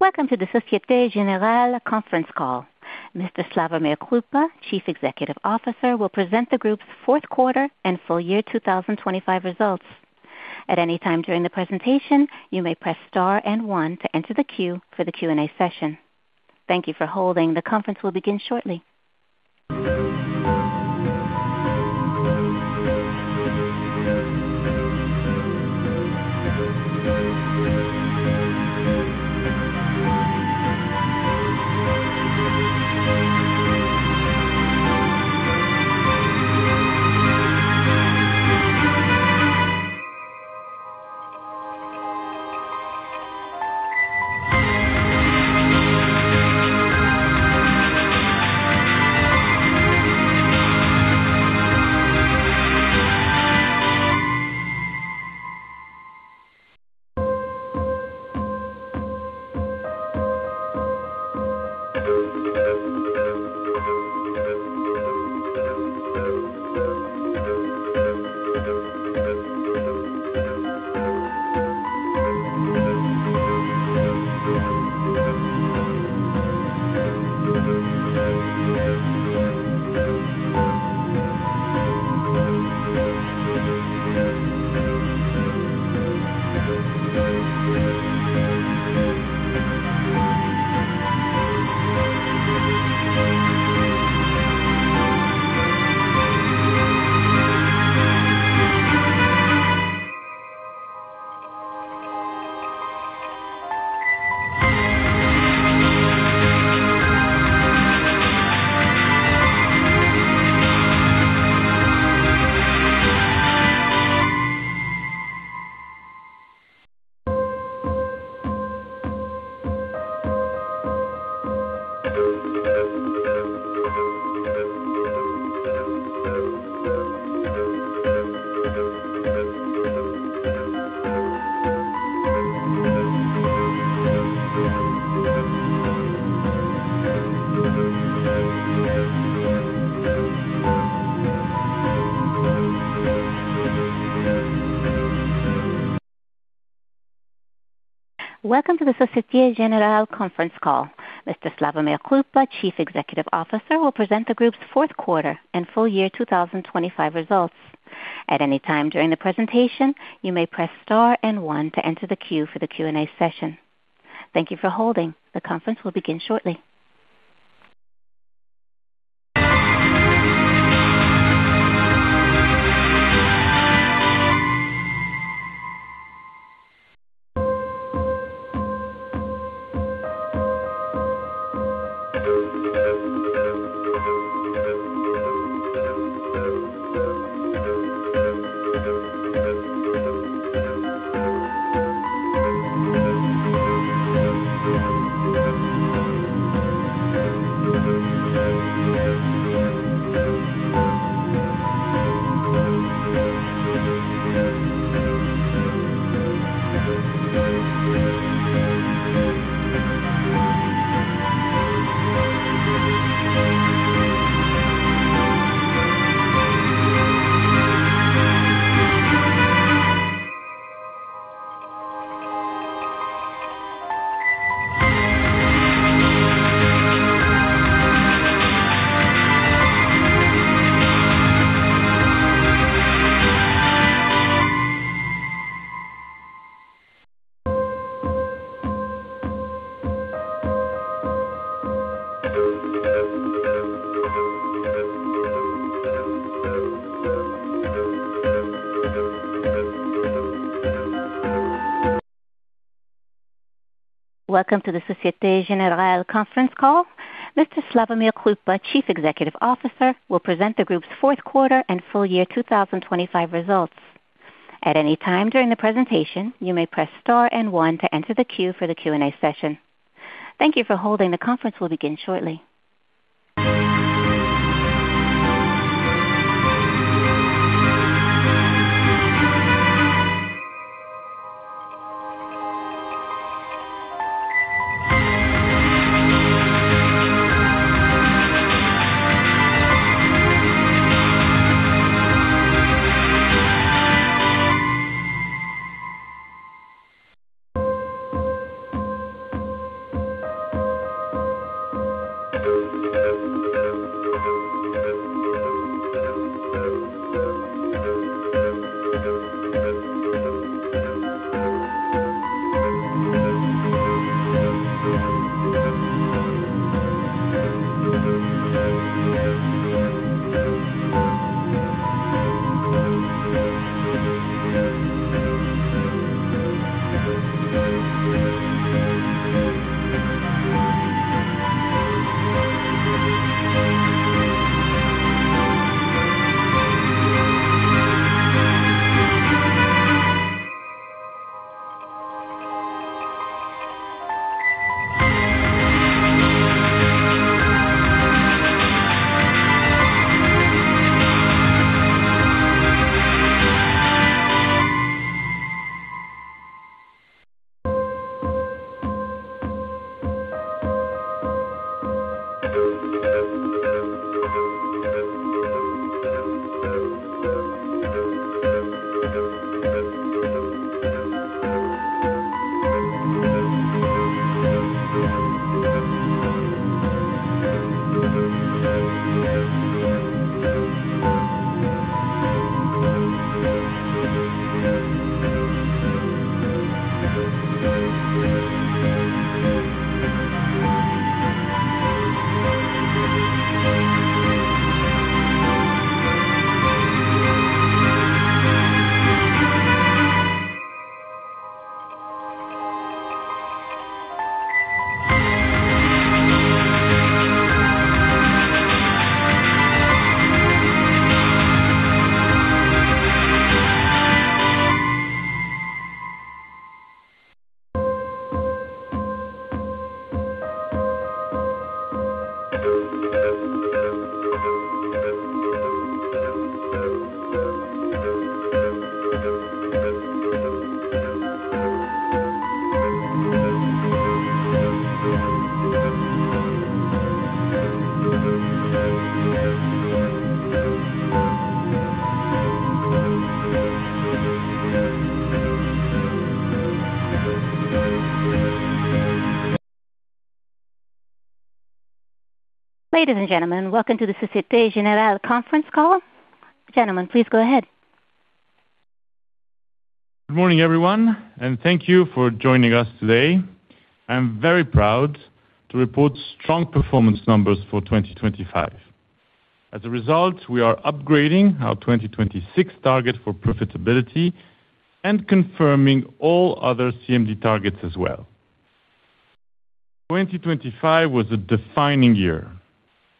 Welcome to the Société Générale conference call. Mr. Slawomir Krupa, Chief Executive Officer, will present the group's fourth quarter and full year 2025 results. At any time during the presentation, you may press star and one to enter the queue for the Q&A session. Thank you for holding. The conference will begin shortly. Ladies and gentlemen, welcome to the Société Générale conference call. Gentlemen, please go ahead. Good morning, everyone, and thank you for joining us today. I'm very proud to report strong performance numbers for 2025. As a result, we are upgrading our 2026 target for profitability and confirming all other CMD targets as well. 2025 was a defining year.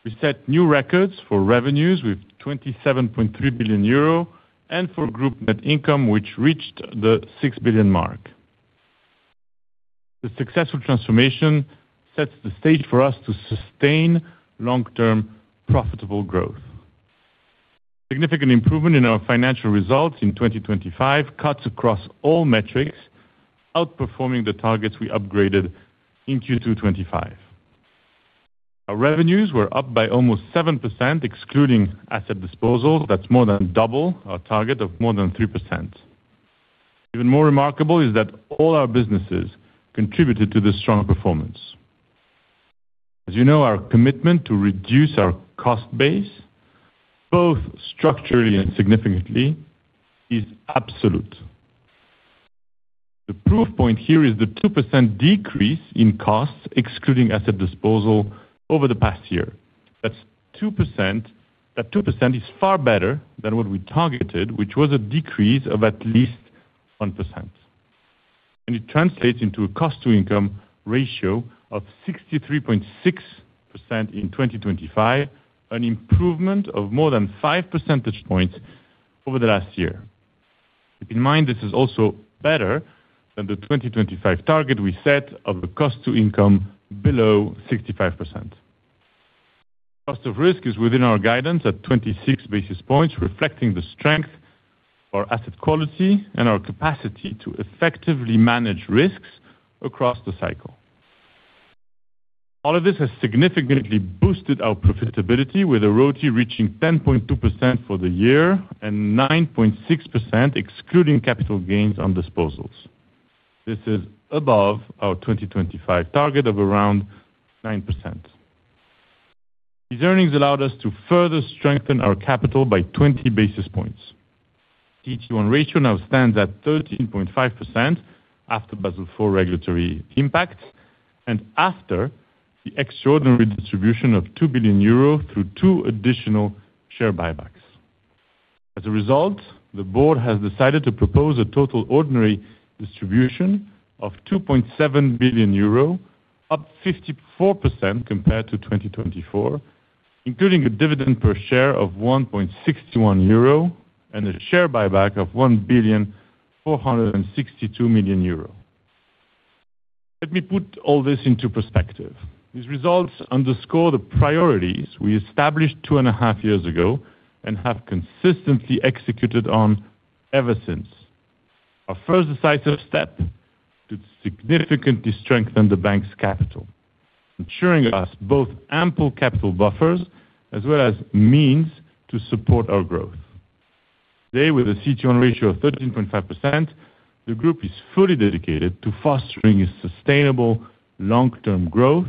We set new records for revenues with 27.3 billion euro and for group net income, which reached the 6 billion mark. The successful transformation sets the stage for us to sustain long-term profitable growth. Significant improvement in our financial results in 2025 cuts across all metrics, outperforming the targets we upgraded in Q2 2025. Our revenues were up by almost 7% excluding asset disposals. That's more than double our target of more than 3%. Even more remarkable is that all our businesses contributed to this strong performance. As you know, our commitment to reduce our cost base, both structurally and significantly, is absolute. The proof point here is the 2% decrease in costs excluding asset disposal over the past year. That 2% is far better than what we targeted, which was a decrease of at least 1%. And it translates into a cost-to-income ratio of 63.6% in 2025, an improvement of more than 5 percentage points over the last year. Keep in mind this is also better than the 2025 target we set of a cost-to-income below 65%. Cost of risk is within our guidance at 26 basis points, reflecting the strength of our asset quality and our capacity to effectively manage risks across the cycle. All of this has significantly boosted our profitability with ROTE reaching 10.2% for the year and 9.6% excluding capital gains on disposals. This is above our 2025 target of around 9%. These earnings allowed us to further strengthen our capital by 20 basis points. The CET1 ratio now stands at 13.5% after Basel IV regulatory impacts and after the extraordinary distribution of 2 billion euro through two additional share buybacks. As a result, the board has decided to propose a total ordinary distribution of 2.7 billion euro, up 54% compared to 2024, including a dividend per share of 1.61 euro and a share buyback of 1,462,000,000 euro. Let me put all this into perspective. These results underscore the priorities we established two and a half years ago and have consistently executed on ever since. Our first decisive step? To significantly strengthen the bank's capital, ensuring us both ample capital buffers as well as means to support our growth. Today, with a CET1 ratio of 13.5%, the group is fully dedicated to fostering sustainable long-term growth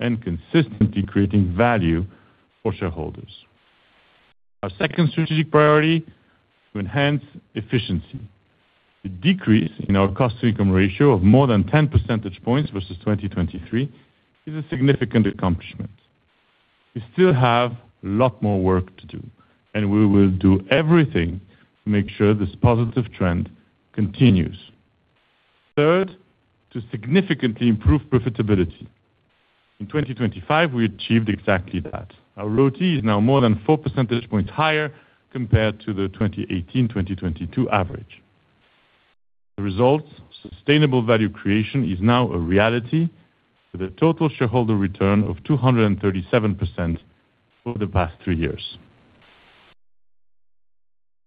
and consistently creating value for shareholders. Our second strategic priority? To enhance efficiency. The decrease in our cost-to-income ratio of more than 10 percentage points versus 2023 is a significant accomplishment. We still have a lot more work to do, and we will do everything to make sure this positive trend continues. Third, to significantly improve profitability. In 2025, we achieved exactly that. ROTE is now more than 4 percentage points higher compared to the 2018-2022 average. The result: sustainable value creation is now a reality, with a total shareholder return of 237% over the past three years.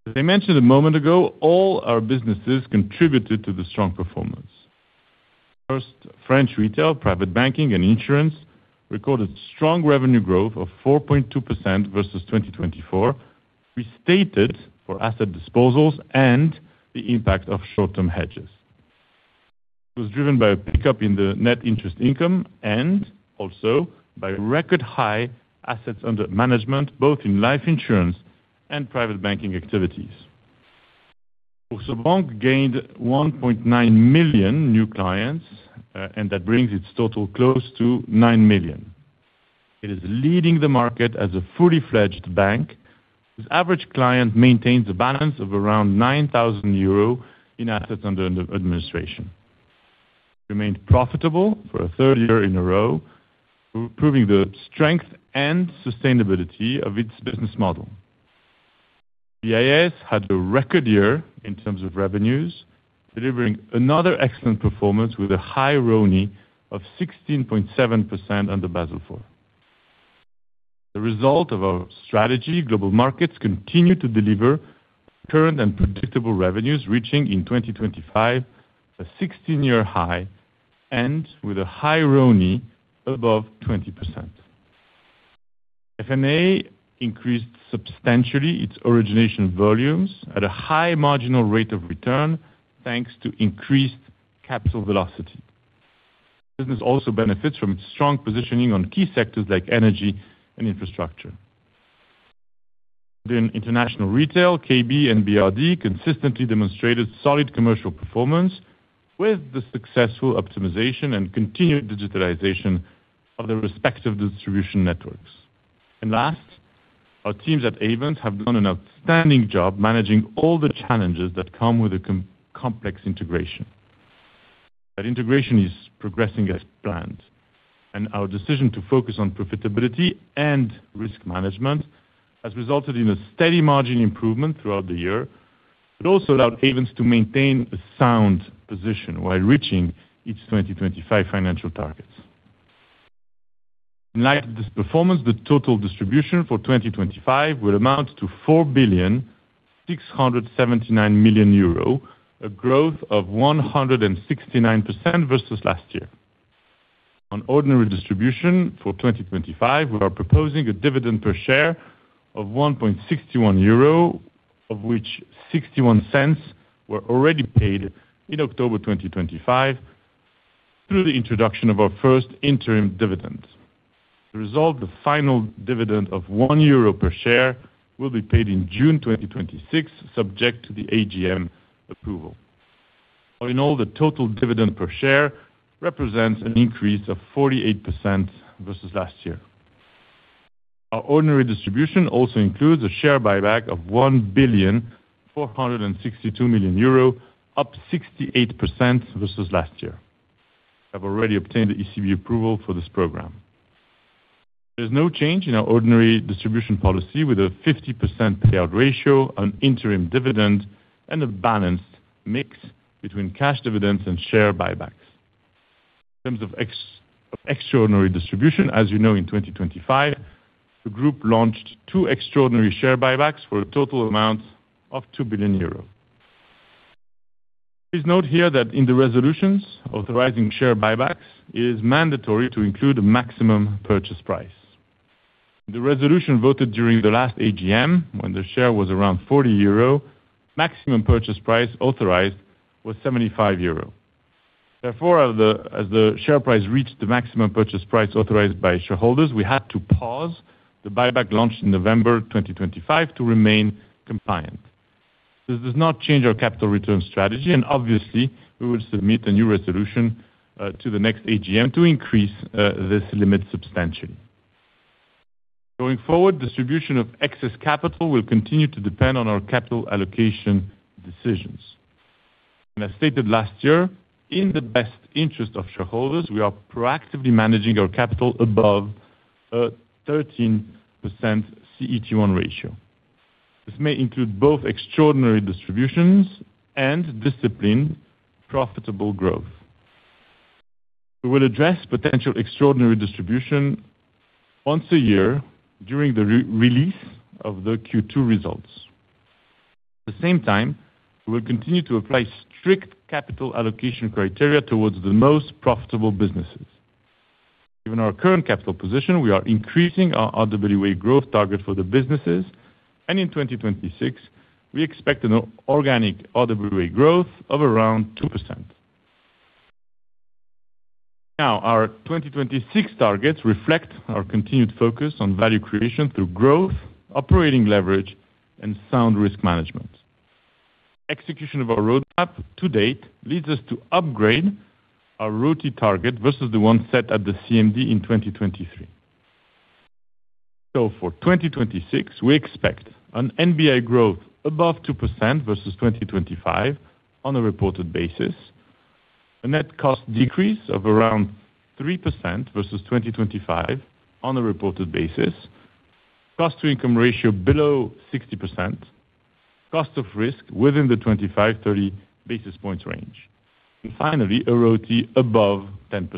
As I mentioned a moment ago, all our businesses contributed to the strong performance. First, French retail, private banking, and insurance recorded strong revenue growth of 4.2% versus 2024, restated for asset disposals and the impact of short-term hedges. It was driven by a pickup in the net interest income and, also, by record-high assets under management, both in life insurance and private banking activities. BoursoBank gained 1.9 million new clients, and that brings its total close to 9 million. It is leading the market as a fully fledged bank, whose average client maintains a balance of around 9,000 euros in assets under administration. It remained profitable for a third year in a row, proving the strength and sustainability of its business model. The IAS had a record year in terms of revenues, delivering another excellent performance with a high RONE of 16.7% under Basel IV. As a result of our strategy, Global Markets continue to deliver current and predictable revenues, reaching in 2025 a 16-year high and with a high RONE above 20%. F&A increased substantially its origination volumes at a high marginal rate of return thanks to increased capital velocity. The business also benefits from its strong positioning on key sectors like energy and infrastructure. Within international retail, KB and BRD consistently demonstrated solid commercial performance, with the successful optimization and continued digitalization of their respective distribution networks. And last, our teams at Ayvens have done an outstanding job managing all the challenges that come with a complex integration. That integration is progressing as planned, and our decision to focus on profitability and risk management has resulted in a steady margin improvement throughout the year, but also allowed Ayvens to maintain a sound position while reaching its 2025 financial targets. In light of this performance, the total distribution for 2025 will amount to 4.679 million euro, a growth of 169% versus last year. On ordinary distribution for 2025, we are proposing a dividend per share of 1.61 euro, of which 0.61 were already paid in October 2025 through the introduction of our first interim dividend. As a result, the final dividend of 1 euro per share will be paid in June 2026, subject to the AGM approval. All in all, the total dividend per share represents an increase of 48% versus last year. Our ordinary distribution also includes a share buyback of 1,462,000,000 euro, up 68% versus last year. We have already obtained the ECB approval for this program. There is no change in our ordinary distribution policy, with a 50% payout ratio, an interim dividend, and a balanced mix between cash dividends and share buybacks. In terms of extraordinary distribution, as you know, in 2025, the group launched two extraordinary share buybacks for a total amount of 2 billion euros. Please note here that in the resolutions, authorizing share buybacks is mandatory to include a maximum purchase price. In the resolution voted during the last AGM, when the share was around 40 euro, the maximum purchase price authorized was 75 euro. Therefore, as the share price reached the maximum purchase price authorized by shareholders, we had to pause the buyback launched in November 2025 to remain compliant. This does not change our capital return strategy, and obviously, we will submit a new resolution to the next AGM to increase this limit substantially. Going forward, distribution of excess capital will continue to depend on our capital allocation decisions. As stated last year, in the best interest of shareholders, we are proactively managing our capital above a 13% CET1 ratio. This may include both extraordinary distributions and disciplined profitable growth. We will address potential extraordinary distribution once a year during the release of the Q2 results. At the same time, we will continue to apply strict capital allocation criteria towards the most profitable businesses. Given our current capital position, we are increasing our RWA growth target for the businesses, and in 2026, we expect an organic RWA growth of around 2%. Now, our 2026 targets reflect our continued focus on value creation through growth, operating leverage, and sound risk management. The execution of our roadmap, to date, leads us to upgrade our ROTE target versus the one set at the CMD in 2023. So, for 2026, we expect an NBI growth above 2% versus 2025 on a reported basis. A net cost decrease of around 3% versus 2025 on a reported basis. Cost-to-income ratio below 60%. Cost of risk within the 25 basis points-30 basis points range. And finally, ROTE above 10%.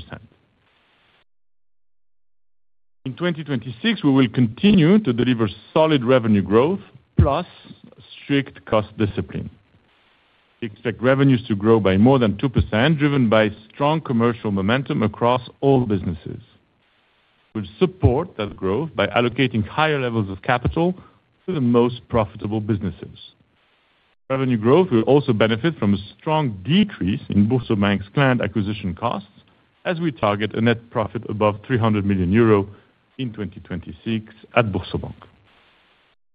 In 2026, we will continue to deliver solid revenue growth plus strict cost discipline. We expect revenues to grow by more than 2%, driven by strong commercial momentum across all businesses. We will support that growth by allocating higher levels of capital to the most profitable businesses. Revenue growth will also benefit from a strong decrease in BoursoBank's planned acquisition costs, as we target a net profit above 300 million euro in 2026 at BoursoBank.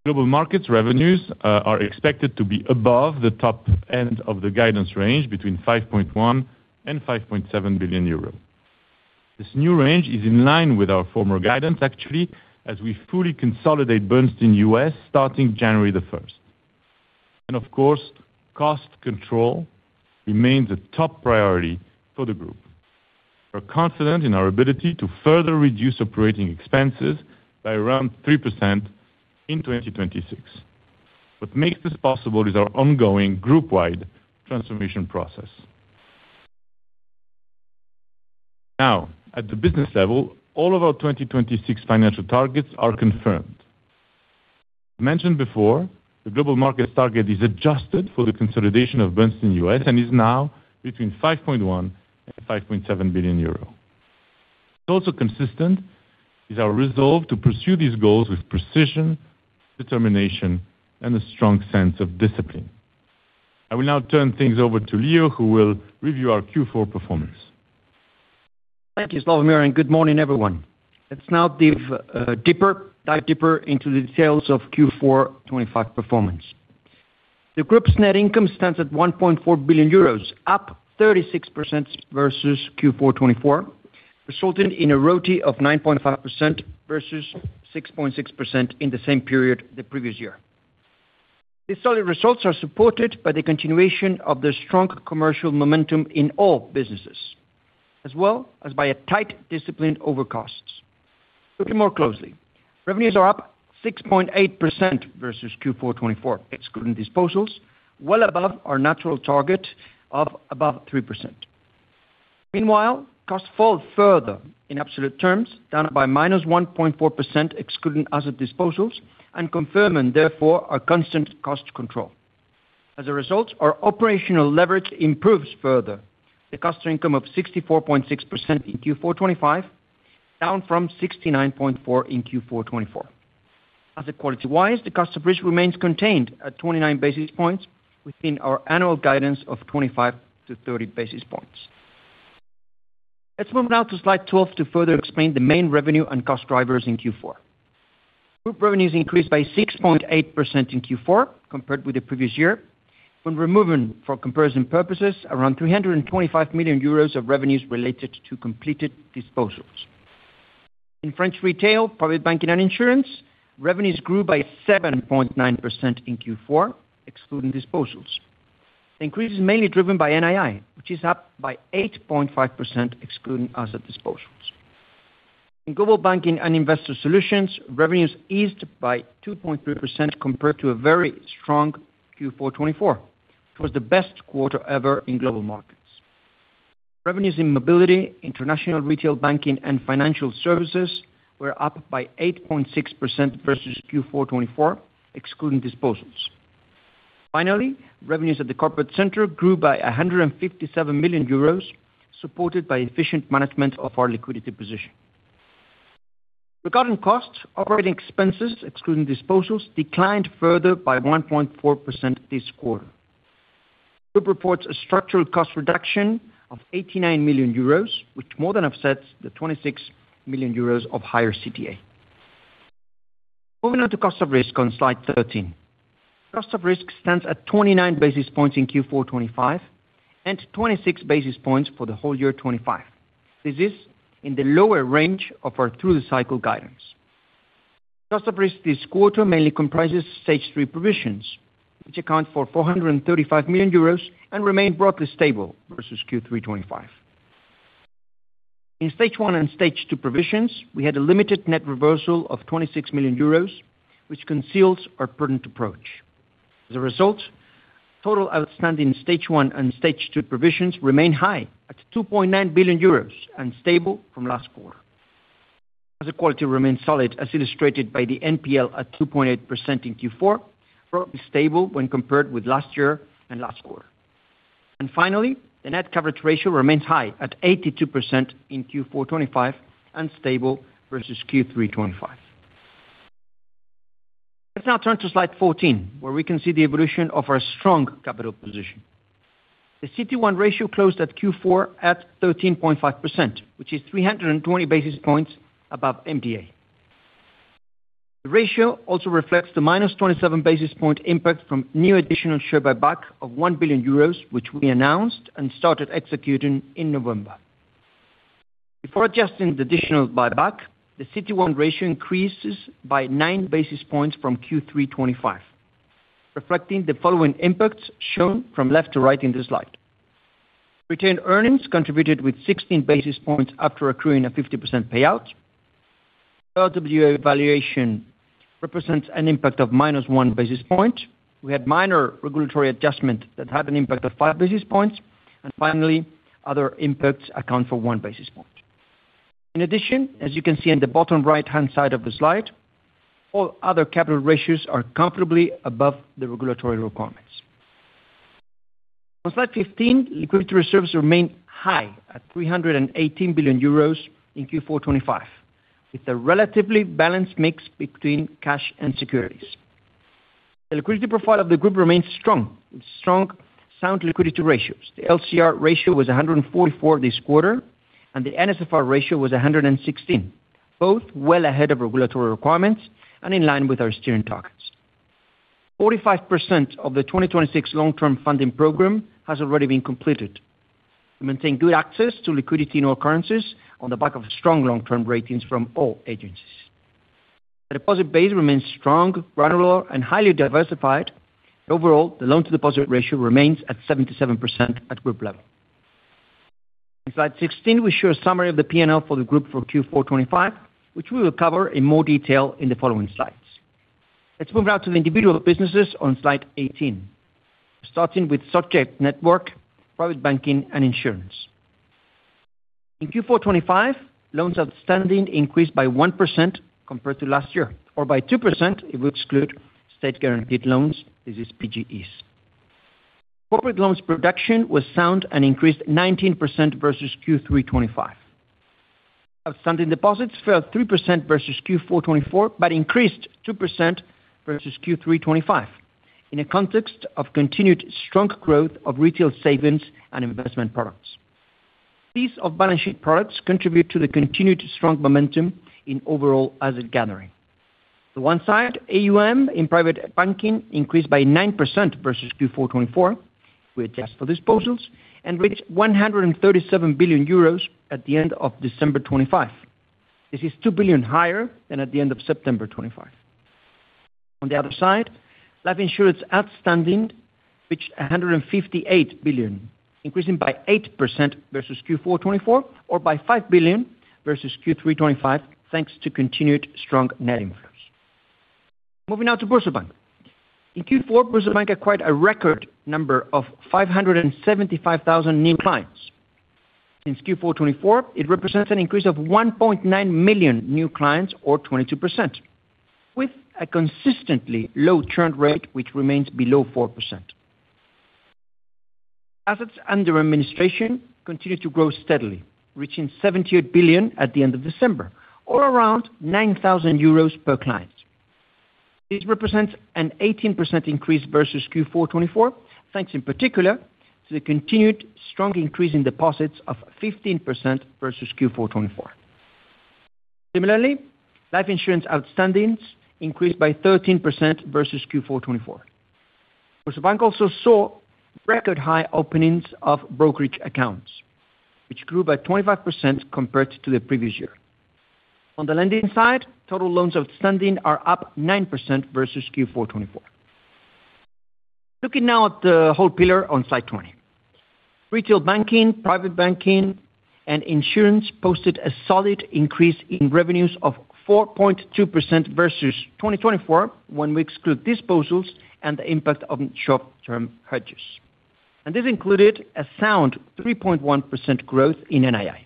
Global Markets revenues are expected to be above the top end of the guidance range between 5.1 billion and 5.7 billion euros. This new range is in line with our former guidance, actually, as we fully consolidate Bernstein in the U.S. starting January 1st. Of course, cost control remains a top priority for the group. We are confident in our ability to further reduce operating expenses by around 3% in 2026. What makes this possible is our ongoing, group-wide transformation process. Now, at the business level, all of our 2026 financial targets are confirmed. As mentioned before, the Global Markets target is adjusted for the consolidation of Bernstein in the U.S. and is now between 5.1 billion-5.7 billion euro. What is also consistent is our resolve to pursue these goals with precision, determination, and a strong sense of discipline. I will now turn things over to Leo, who will review our Q4 performance. Thank you, Slawomir, and good morning, everyone. Let's now dive deeper into the details of Q4 2025 performance. The group's net income stands at 1.4 billion euros, up 36% versus Q4 2024, resulting in a ROTE of 9.5% versus 6.6% in the same period the previous year. These solid results are supported by the continuation of the strong commercial momentum in all businesses, as well as by a tight discipline over costs. Looking more closely, revenues are up 6.8% versus Q4 2024, excluding disposals, well above our natural target of above 3%. Meanwhile, costs fall further in absolute terms, down by -1.4% excluding asset disposals, and confirming, therefore, our constant cost control. As a result, our operational leverage improves further, the cost-to-income of 64.6% in Q4 2025, down from 69.4% in Q4 2024. Asset quality-wise, the cost of risk remains contained at 29 basis points, within our annual guidance of 25 basis points-30 basis points. Let's move now to slide 12 to further explain the main revenue and cost drivers in Q4. Group revenues increased by 6.8% in Q4 compared with the previous year, when removing for comparison purposes around 325 million euros of revenues related to completed disposals. In French retail, private banking, and insurance, revenues grew by 7.9% in Q4, excluding disposals. The increase is mainly driven by NII, which is up by 8.5% excluding asset disposals. In Global Banking & Investor Solutions, revenues eased by 2.3% compared to a very strong Q4 2024. It was the best quarter ever in Global Markets. Revenues in mobility, international retail banking, and financial services were up by 8.6% versus Q4 2024, excluding disposals. Finally, revenues at the corporate center grew by 157 million euros, supported by efficient management of our liquidity position. Regarding costs, operating expenses, excluding disposals, declined further by 1.4% this quarter. The group reports a structural cost reduction of 89 million euros, which more than offsets the 26 million euros of higher CTA. Moving on to cost of risk on slide 13. Cost of risk stands at 29 basis points in Q4 2025 and 26 basis points for the whole year 2025. This is in the lower range of our through-the-cycle guidance. Cost of risk this quarter mainly comprises Stage 3 provisions, which account for 435 million euros and remain broadly stable versus Q3 2025. In Stage 1 and Stage 2 provisions, we had a limited net reversal of 26 million euros, which conceals our prudent approach. As a result, total outstanding Stage 1 and Stage 2 provisions remain high at 2.9 billion euros and stable from last quarter. Asset quality remains solid, as illustrated by the NPL at 2.8% in Q4, broadly stable when compared with last year and last quarter. And finally, the net coverage ratio remains high at 82% in Q4 2025 and stable versus Q3 2025. Let's now turn to slide 14, where we can see the evolution of our strong capital position. The CET1 ratio closed at Q4 at 13.5%, which is 320 basis points above MDA. The ratio also reflects the -27 basis point impact from new additional share buyback of 1 billion euros, which we announced and started executing in November. Before adjusting the additional buyback, the CET1 ratio increases by 9 basis points from Q3 2025, reflecting the following impacts shown from left to right in this slide. Retained earnings contributed with 16 basis points after accruing a 50% payout. RWA valuation represents an impact of -1 basis point. We had minor regulatory adjustment that had an impact of 5 basis points. And finally, other impacts account for 1 basis point. In addition, as you can see in the bottom right-hand side of the slide, all other capital ratios are comfortably above the regulatory requirements. On slide 15, liquidity reserves remain high at 318 billion euros in Q4 2025, with a relatively balanced mix between cash and securities. The liquidity profile of the group remains strong with strong, sound liquidity ratios. The LCR ratio was 144 this quarter, and the NSFR ratio was 116, both well ahead of regulatory requirements and in line with our steering targets. 45% of the 2026 long-term funding program has already been completed to maintain good access to liquidity in all currencies on the back of strong long-term ratings from all agencies. The deposit base remains strong, granular, and highly diversified. Overall, the loan-to-deposit ratio remains at 77% at group level. In slide 16, we show a summary of the P&L for the group for Q4 2025, which we will cover in more detail in the following slides. Let's move now to the individual businesses on slide 18, starting with French network, private banking, and insurance. In Q4 2025, loans outstanding increased by 1% compared to last year, or by 2% if we exclude state-guaranteed loans. This is PGEs. Corporate loans production was sound and increased 19% versus Q3 2025. Outstanding deposits fell 3% versus Q4 2024 but increased 2% versus Q3 2025 in a context of continued strong growth of retail savings and investment products. These off-balance sheet products contribute to the continued strong momentum in overall asset gathering. On one side, AUM in private banking increased by 9% versus Q4 2024 with cash for disposals and reached 137 billion euros at the end of December 2025. This is 2 billion higher than at the end of September 2025. On the other side, life insurance outstanding reached 158 billion, increasing by 8% versus Q4 2024 or by 5 billion versus Q3 2025 thanks to continued strong net inflows. Moving now to BoursoBank. In Q4, BoursoBank acquired a record number of 575,000 new clients. Since Q4 2024, it represents an increase of 1.9 million new clients, or 22%, with a consistently low churn rate, which remains below 4%. Assets under administration continue to grow steadily, reaching 78 billion at the end of December, or around 9,000 euros per client. This represents an 18% increase versus Q4 2024, thanks in particular to the continued strong increase in deposits of 15% versus Q4 2024. Similarly, life insurance outstandings increased by 13% versus Q4 2024. BoursoBank also saw record high openings of brokerage accounts, which grew by 25% compared to the previous year. On the lending side, total loans outstanding are up 9% versus Q4 2024. Looking now at the whole pillar on slide 20, retail banking, private banking, and insurance posted a solid increase in revenues of 4.2% versus 2024 when we exclude disposals and the impact of short-term hedges. And this included a sound 3.1% growth in NII.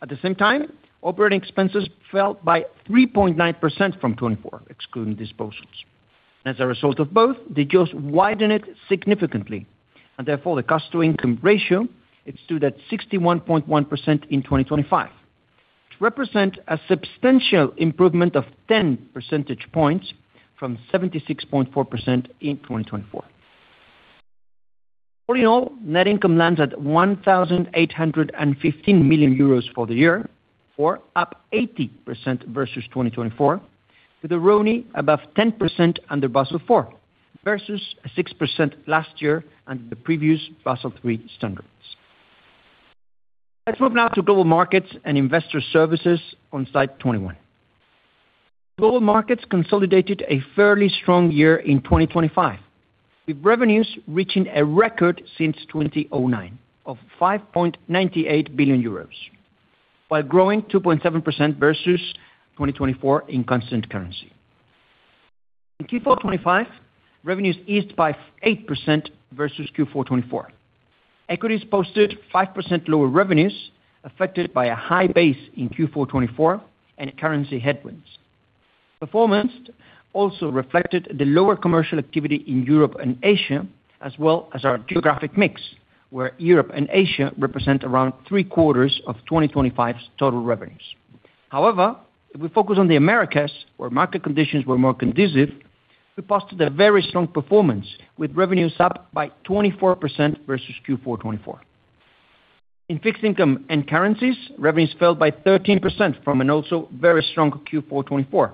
At the same time, operating expenses fell by 3.9% from 2024, excluding disposals. As a result of both, the growth widened significantly, and therefore, the cost-to-income ratio, it stood at 61.1% in 2025, which represents a substantial improvement of 10 percentage points from 76.4% in 2024. All in all, net income lands at 1,815 million euros for the year, or up 80% versus 2024, with a RONE above 10% under Basel IV versus 6% last year under the previous Basel III standards. Let's move now to Global Markets and Investor Services on slide 21. Global Markets consolidated a fairly strong year in 2025, with revenues reaching a record since 2009 of 5.98 billion euros, while growing 2.7% versus 2024 in constant currency. In Q4 2025, revenues eased by 8% versus Q4 2024. Equities posted 5% lower revenues, affected by a high base in Q4 2024 and currency headwinds. Performance also reflected the lower commercial activity in Europe and Asia, as well as our geographic mix, where Europe and Asia represent around three-quarters of 2025's total revenues. However, if we focus on the Americas, where market conditions were more conducive, we posted a very strong performance, with revenues up by 24% versus Q4 2024. In fixed income and currencies, revenues fell by 13% from an also very strong Q4 2024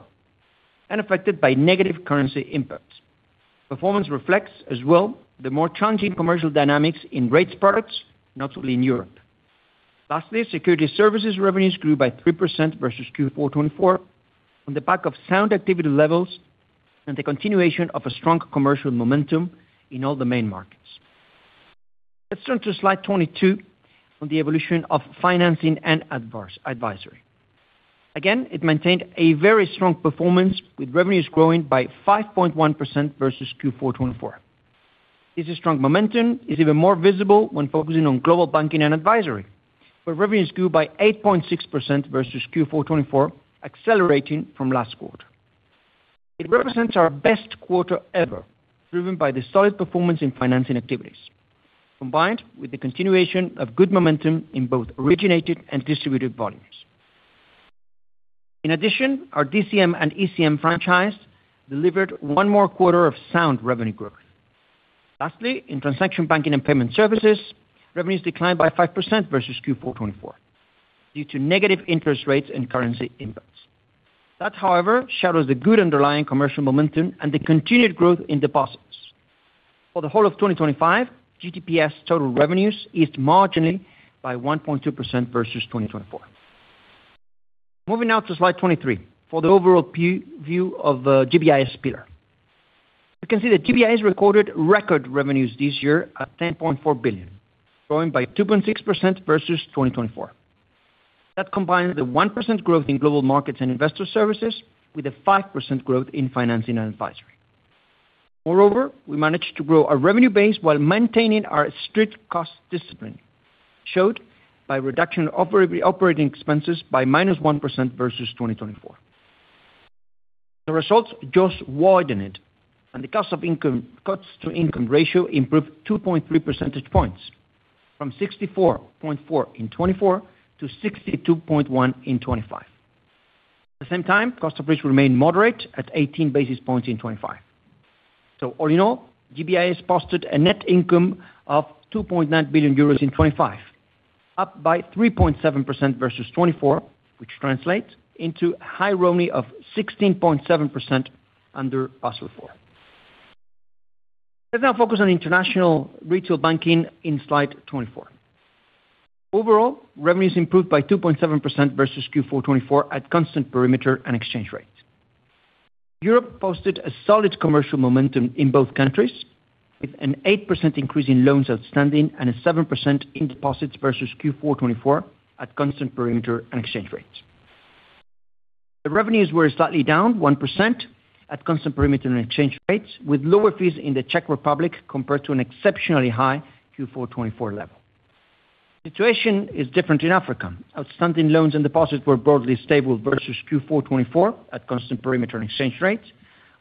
and affected by negative currency impacts. Performance reflects, as well, the more challenging commercial dynamics in rates products, notably in Europe. Lastly, securities services revenues grew by 3% versus Q4 2024 on the back of sound activity levels and the continuation of a strong commercial momentum in all the main markets. Let's turn to slide 22 on the evolution of financing and advisory. Again, it maintained a very strong performance, with revenues growing by 5.1% versus Q4 2024. This strong momentum is even more visible when focusing on Global Banking & Advisory, where revenues grew by 8.6% versus Q4 2024, accelerating from last quarter. It represents our best quarter ever, driven by the solid performance in financing activities, combined with the continuation of good momentum in both originated and distributed volumes. In addition, our DCM and ECM franchise delivered one more quarter of sound revenue growth. Lastly, in transaction banking and payment services, revenues declined by 5% versus Q4 2024 due to negative interest rates and currency impacts. That, however, shadows the good underlying commercial momentum and the continued growth in deposits. For the whole of 2025, GDPS total revenues eased marginally by 1.2% versus 2024. Moving now to slide 23 for the overall view of GBIS pillar. You can see that GBIS recorded record revenues this year at 10.4 billion, growing by 2.6% versus 2024. That combines the 1% growth in Global Markets and Investor Services with a 5% growth in financing and advisory. Moreover, we managed to grow our revenue base while maintaining our strict cost discipline, showed by reduction of operating expenses by -1% versus 2024. The results just widened, and the cost-to-income ratio improved 2.3 percentage points from 64.4 in 2024 to 62.1 in 2025. At the same time, cost of risk remained moderate at 18 basis points in 2025. So all in all, GBIS posted a net income of 2.9 billion euros in 2025, up by 3.7% versus 2024, which translates into a high RONE of 16.7% under Basel IV. Let's now focus on international retail banking in slide 24. Overall, revenues improved by 2.7% versus Q4 2024 at constant perimeter and exchange rates. Europe posted a solid commercial momentum in both countries, with an 8% increase in loans outstanding and a 7% in deposits versus Q4 2024 at constant perimeter and exchange rates. The revenues were slightly down, 1% at constant perimeter and exchange rates, with lower fees in the Czech Republic compared to an exceptionally high Q4 2024 level. The situation is different in Africa. Outstanding loans and deposits were broadly stable versus Q4 2024 at constant perimeter and exchange rates,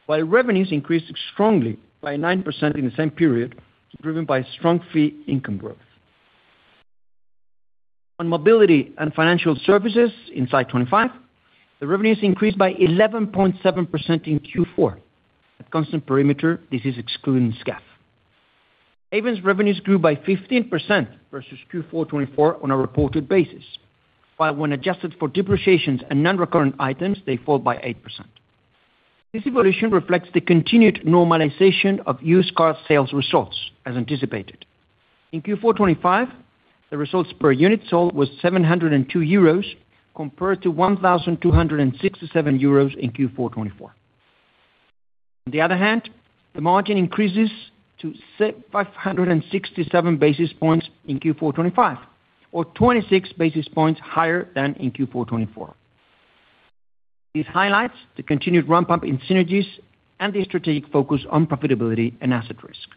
while revenues increased strongly by 9% in the same period, driven by strong fee income growth. On mobility and financial services in slide 25, the revenues increased by 11.7% in Q4 at constant perimeter. This is excluding SGEF. Ayvens revenues grew by 15% versus Q4 2024 on a reported basis, while when adjusted for depreciations and non-recurrent items, they fall by 8%. This evolution reflects the continued normalization of used car sales results, as anticipated. In Q4 2025, the results per unit sold was 702 euros compared to 1,267 euros in Q4 2024. On the other hand, the margin increases to 567 basis points in Q4 2025, or 26 basis points higher than in Q4 2024. This highlights the continued ramp-up in synergies and the strategic focus on profitability and asset risk.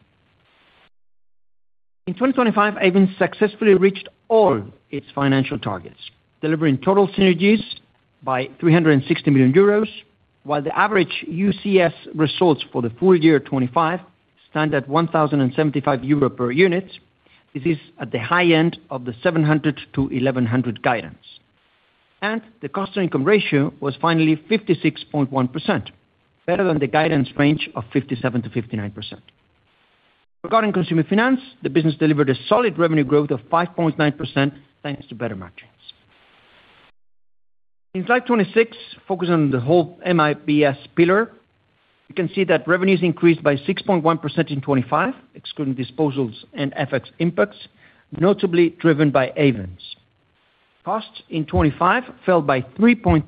In 2025, Ayvens successfully reached all its financial targets, delivering total synergies by 360 million euros, while the average UCS results for the full year 2025 stand at 1,075 euro per unit. This is at the high end of the 700-1,100 guidance. The cost-to-income ratio was finally 56.1%, better than the guidance range of 57%-59%. Regarding consumer finance, the business delivered a solid revenue growth of 5.9% thanks to better matchings. In slide 26, focusing on the whole MIBS pillar, you can see that revenues increased by 6.1% in 2025, excluding disposals and effects impacts, notably driven by Ayvens. Costs in 2025 fell by 3.3%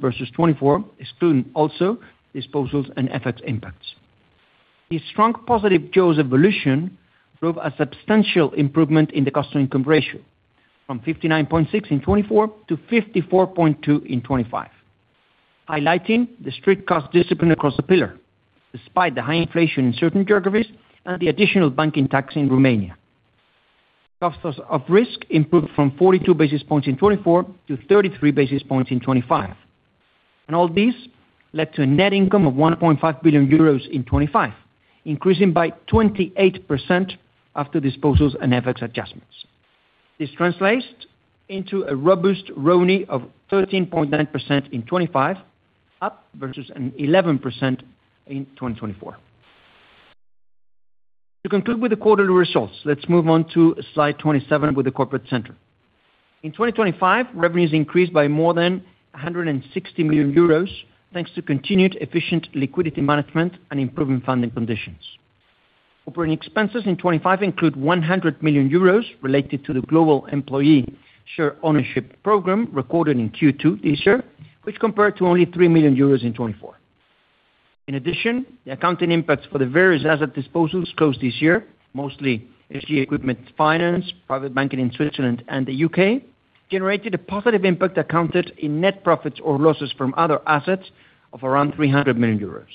versus 2024, excluding also disposals and effects impacts. This strong positive jaws evolution drove a substantial improvement in the cost-to-income ratio from 59.6% in 2024 to 54.2% in 2025, highlighting the strict cost discipline across the pillar, despite the high inflation in certain geographies and the additional banking tax in Romania. Costs of risk improved from 42 basis points in 2024 to 33 basis points in 2025. All these led to a net income of 1.5 billion euros in 2025, increasing by 28% after disposals and effects adjustments. This translates into a robust RONE of 13.9% in 2025, up versus an 11% in 2024. To conclude with the quarterly results, let's move on to slide 27 with the corporate center. In 2025, revenues increased by more than 160 million euros thanks to continued efficient liquidity management and improving funding conditions. Operating expenses in 2025 include 100 million euros related to the global employee share ownership program recorded in Q2 this year, which compared to only 3 million euros in 2024. In addition, the accounting impacts for the various asset disposals closed this year, mostly SG Equipment Finance, private banking in Switzerland, and the U.K., generated a positive impact accounted in net profits or losses from other assets of around 300 million euros.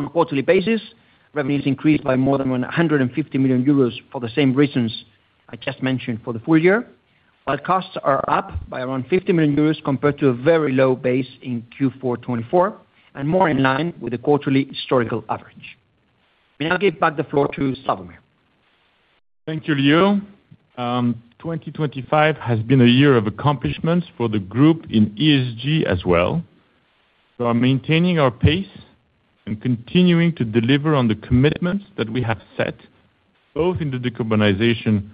On a quarterly basis, revenues increased by more than 150 million euros for the same reasons I just mentioned for the full year, while costs are up by around 50 million euros compared to a very low base in Q4 2024 and more in line with the quarterly historical average. We now give back the floor to Slawomir. Thank you, Leo. 2025 has been a year of accomplishments for the group in ESG as well. We are maintaining our pace and continuing to deliver on the commitments that we have set, both in the decarbonization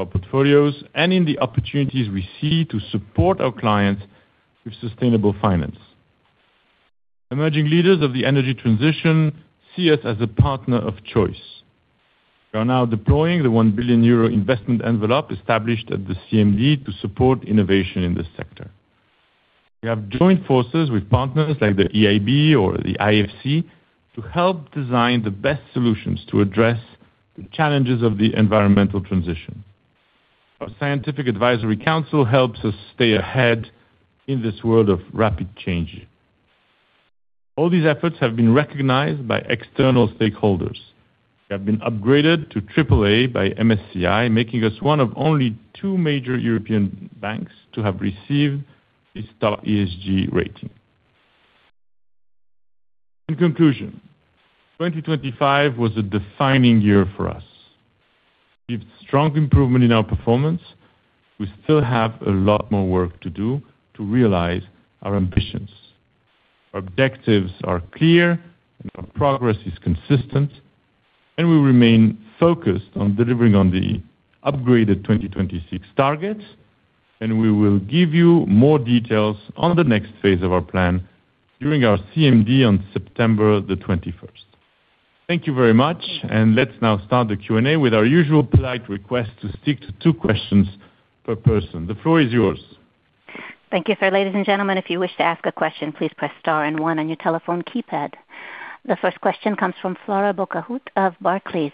of portfolios and in the opportunities we see to support our clients with sustainable finance. Emerging leaders of the energy transition see us as a partner of choice. We are now deploying the 1 billion euro investment envelope established at the CMD to support innovation in this sector. We have joined forces with partners like the EIB or the IFC to help design the best solutions to address the challenges of the environmental transition. Our scientific advisory council helps us stay ahead in this world of rapid change. All these efforts have been recognized by external stakeholders. We have been upgraded to AAA by MSCI, making us one of only two major European banks to have received this top ESG rating. In conclusion, 2025 was a defining year for us. With strong improvement in our performance, we still have a lot more work to do to realize our ambitions. Our objectives are clear, and our progress is consistent, and we remain focused on delivering on the upgraded 2026 targets. We will give you more details on the next phase of our plan during our CMD on September the 21st. Thank you very much, and let's now start the Q&A with our usual polite request to stick to two questions per person. The floor is yours. Thank you, sir. Ladies and gentlemen, if you wish to ask a question, please press star and one on your telephone keypad. The first question comes from Flora Bocahut of Barclays.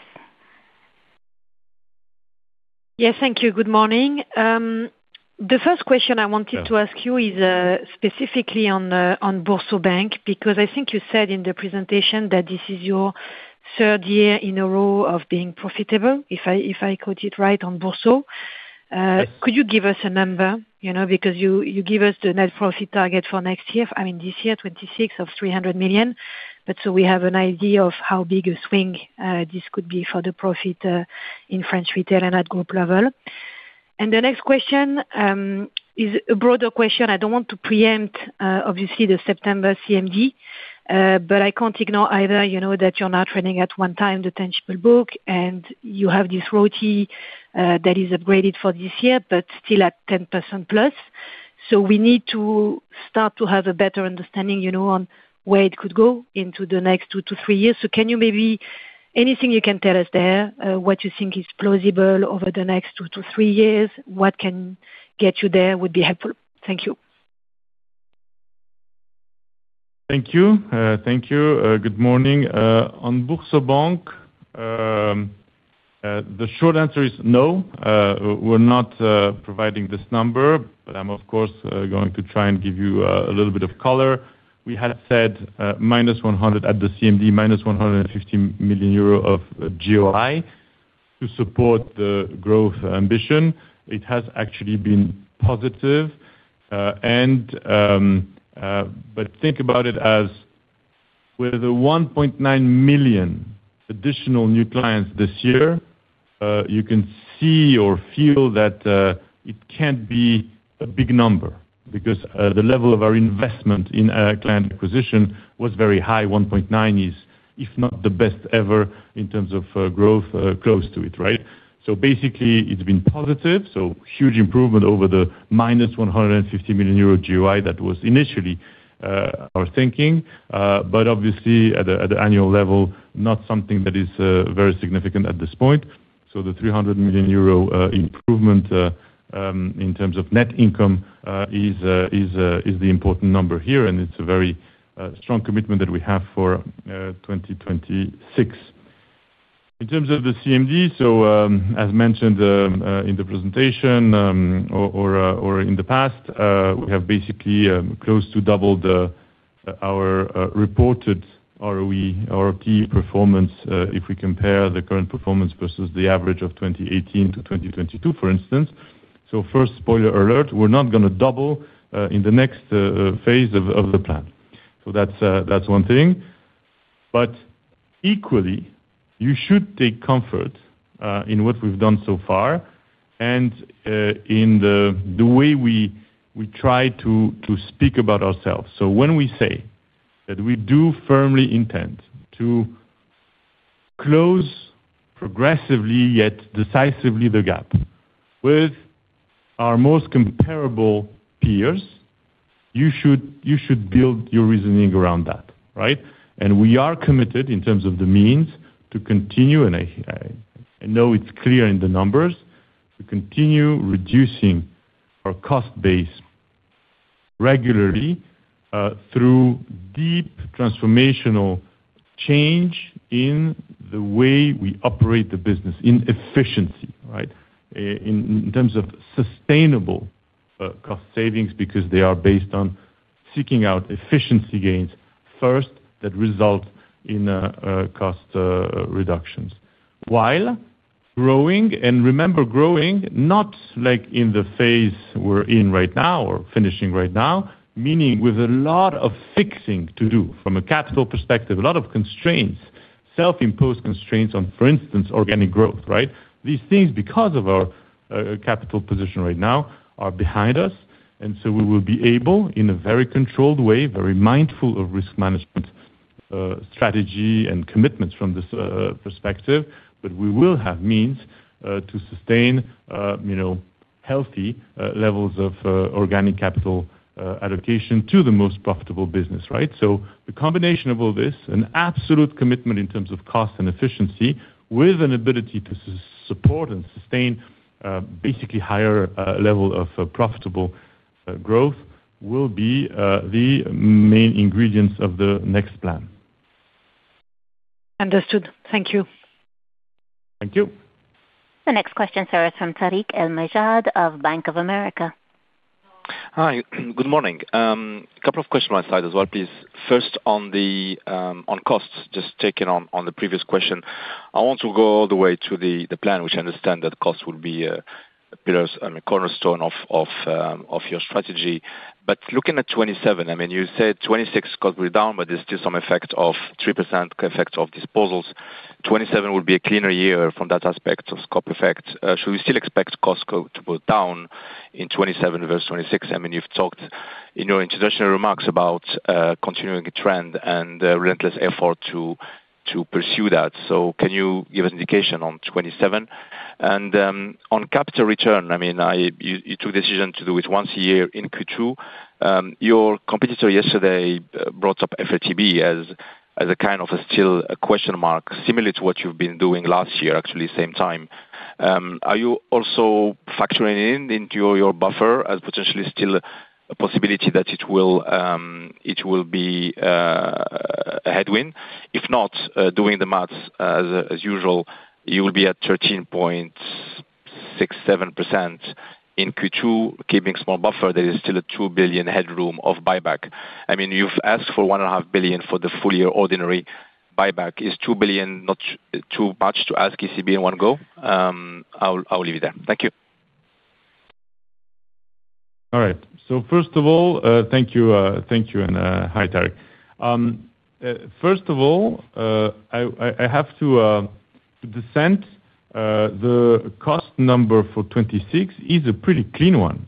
Yes, thank you. Good morning. The first question I wanted to ask you is specifically on BoursoBank because I think you said in the presentation that this is your third year in a row of being profitable, if I quote it right, on Bourso. Could you give us a number? Because you gave us the net profit target for next year, I mean, this year, 2026, of 300 million. But so we have an idea of how big a swing this could be for the profit in French retail and at group level. The next question is a broader question. I don't want to preempt, obviously, the September CMD, but I can't ignore either that you're now trading at 1x the tangible book, and you have this ROTE that is upgraded for this year but still at 10%+. So we need to start to have a better understanding on where it could go into the next two to three years. So can you maybe anything you can tell us there, what you think is plausible over the next two to three years? What can get you there would be helpful. Thank you. Thank you. Thank you. Good morning. On BoursoBank, the short answer is no. We're not providing this number, but I'm, of course, going to try and give you a little bit of color. We had said -100 million at the CMD, -150 million euro of GOI to support the growth ambition. It has actually been positive. But think about it as with the 1.9 million additional new clients this year, you can see or feel that it can't be a big number because the level of our investment in client acquisition was very high. 1.9 million is, if not the best ever in terms of growth, close to it, right? So basically, it's been positive. So huge improvement over the minus 150 million euro GOI that was initially our thinking. But obviously, at an annual level, not something that is very significant at this point. So the 300 million euro improvement in terms of net income is the important number here, and it's a very strong commitment that we have for 2026. In terms of the CMD, so as mentioned in the presentation or in the past, we have basically close to doubled our reported ROE, ROT performance, if we compare the current performance versus the average of 2018 to 2022, for instance. So first spoiler alert, we're not going to double in the next phase of the plan. So that's one thing. But equally, you should take comfort in what we've done so far and in the way we try to speak about ourselves. So when we say that we do firmly intend to close progressively yet decisively the gap with our most comparable peers, you should build your reasoning around that, right? We are committed, in terms of the means, to continue, and I know it's clear in the numbers, to continue reducing our cost base regularly through deep transformational change in the way we operate the business, in efficiency, right? In terms of sustainable cost savings because they are based on seeking out efficiency gains first that result in cost reductions, while growing, and remember, growing, not like in the phase we're in right now or finishing right now, meaning with a lot of fixing to do from a capital perspective, a lot of constraints, self-imposed constraints on, for instance, organic growth, right? These things, because of our capital position right now, are behind us. And so we will be able, in a very controlled way, very mindful of risk management strategy and commitments from this perspective, but we will have means to sustain healthy levels of organic capital allocation to the most profitable business, right? So the combination of all this, an absolute commitment in terms of cost and efficiency with an ability to support and sustain basically higher level of profitable growth, will be the main ingredients of the next plan. Understood. Thank you. Thank you. The next question, sir, is from Tarik El Mejjad of Bank of America. Hi. Good morning. A couple of questions on my side as well, please. First, on costs, just taking on the previous question, I want to go all the way to the plan, which I understand that costs will be a cornerstone of your strategy. But looking at 2027, I mean, you said 2026 costs will be down, but there's still some effect of 3% effect of disposals. 2027 will be a cleaner year from that aspect of scope effect. Should we still expect costs to go down in 2027 versus 2026? I mean, you've talked in your introductory remarks about continuing a trend and relentless effort to pursue that. So can you give us an indication on 2027? And on capital return, I mean, you took the decision to do it once a year in Q2. Your competitor yesterday brought up FRTB as a kind of still a question mark, similar to what you've been doing last year, actually same time. Are you also factoring it into your buffer as potentially still a possibility that it will be a headwind? If not, doing the math as usual, you will be at 13.67% in Q2, keeping a small buffer. There is still a 2 billion headroom of buyback. I mean, you've asked for 1.5 billion for the full year ordinary buyback. Is 2 billion not too much to ask ECB in one go? I'll leave it there. Thank you. All right. So first of all, thank you. Thank you, and hi, Tarik. First of all, I have to dissent. The cost number for 2026 is a pretty clean one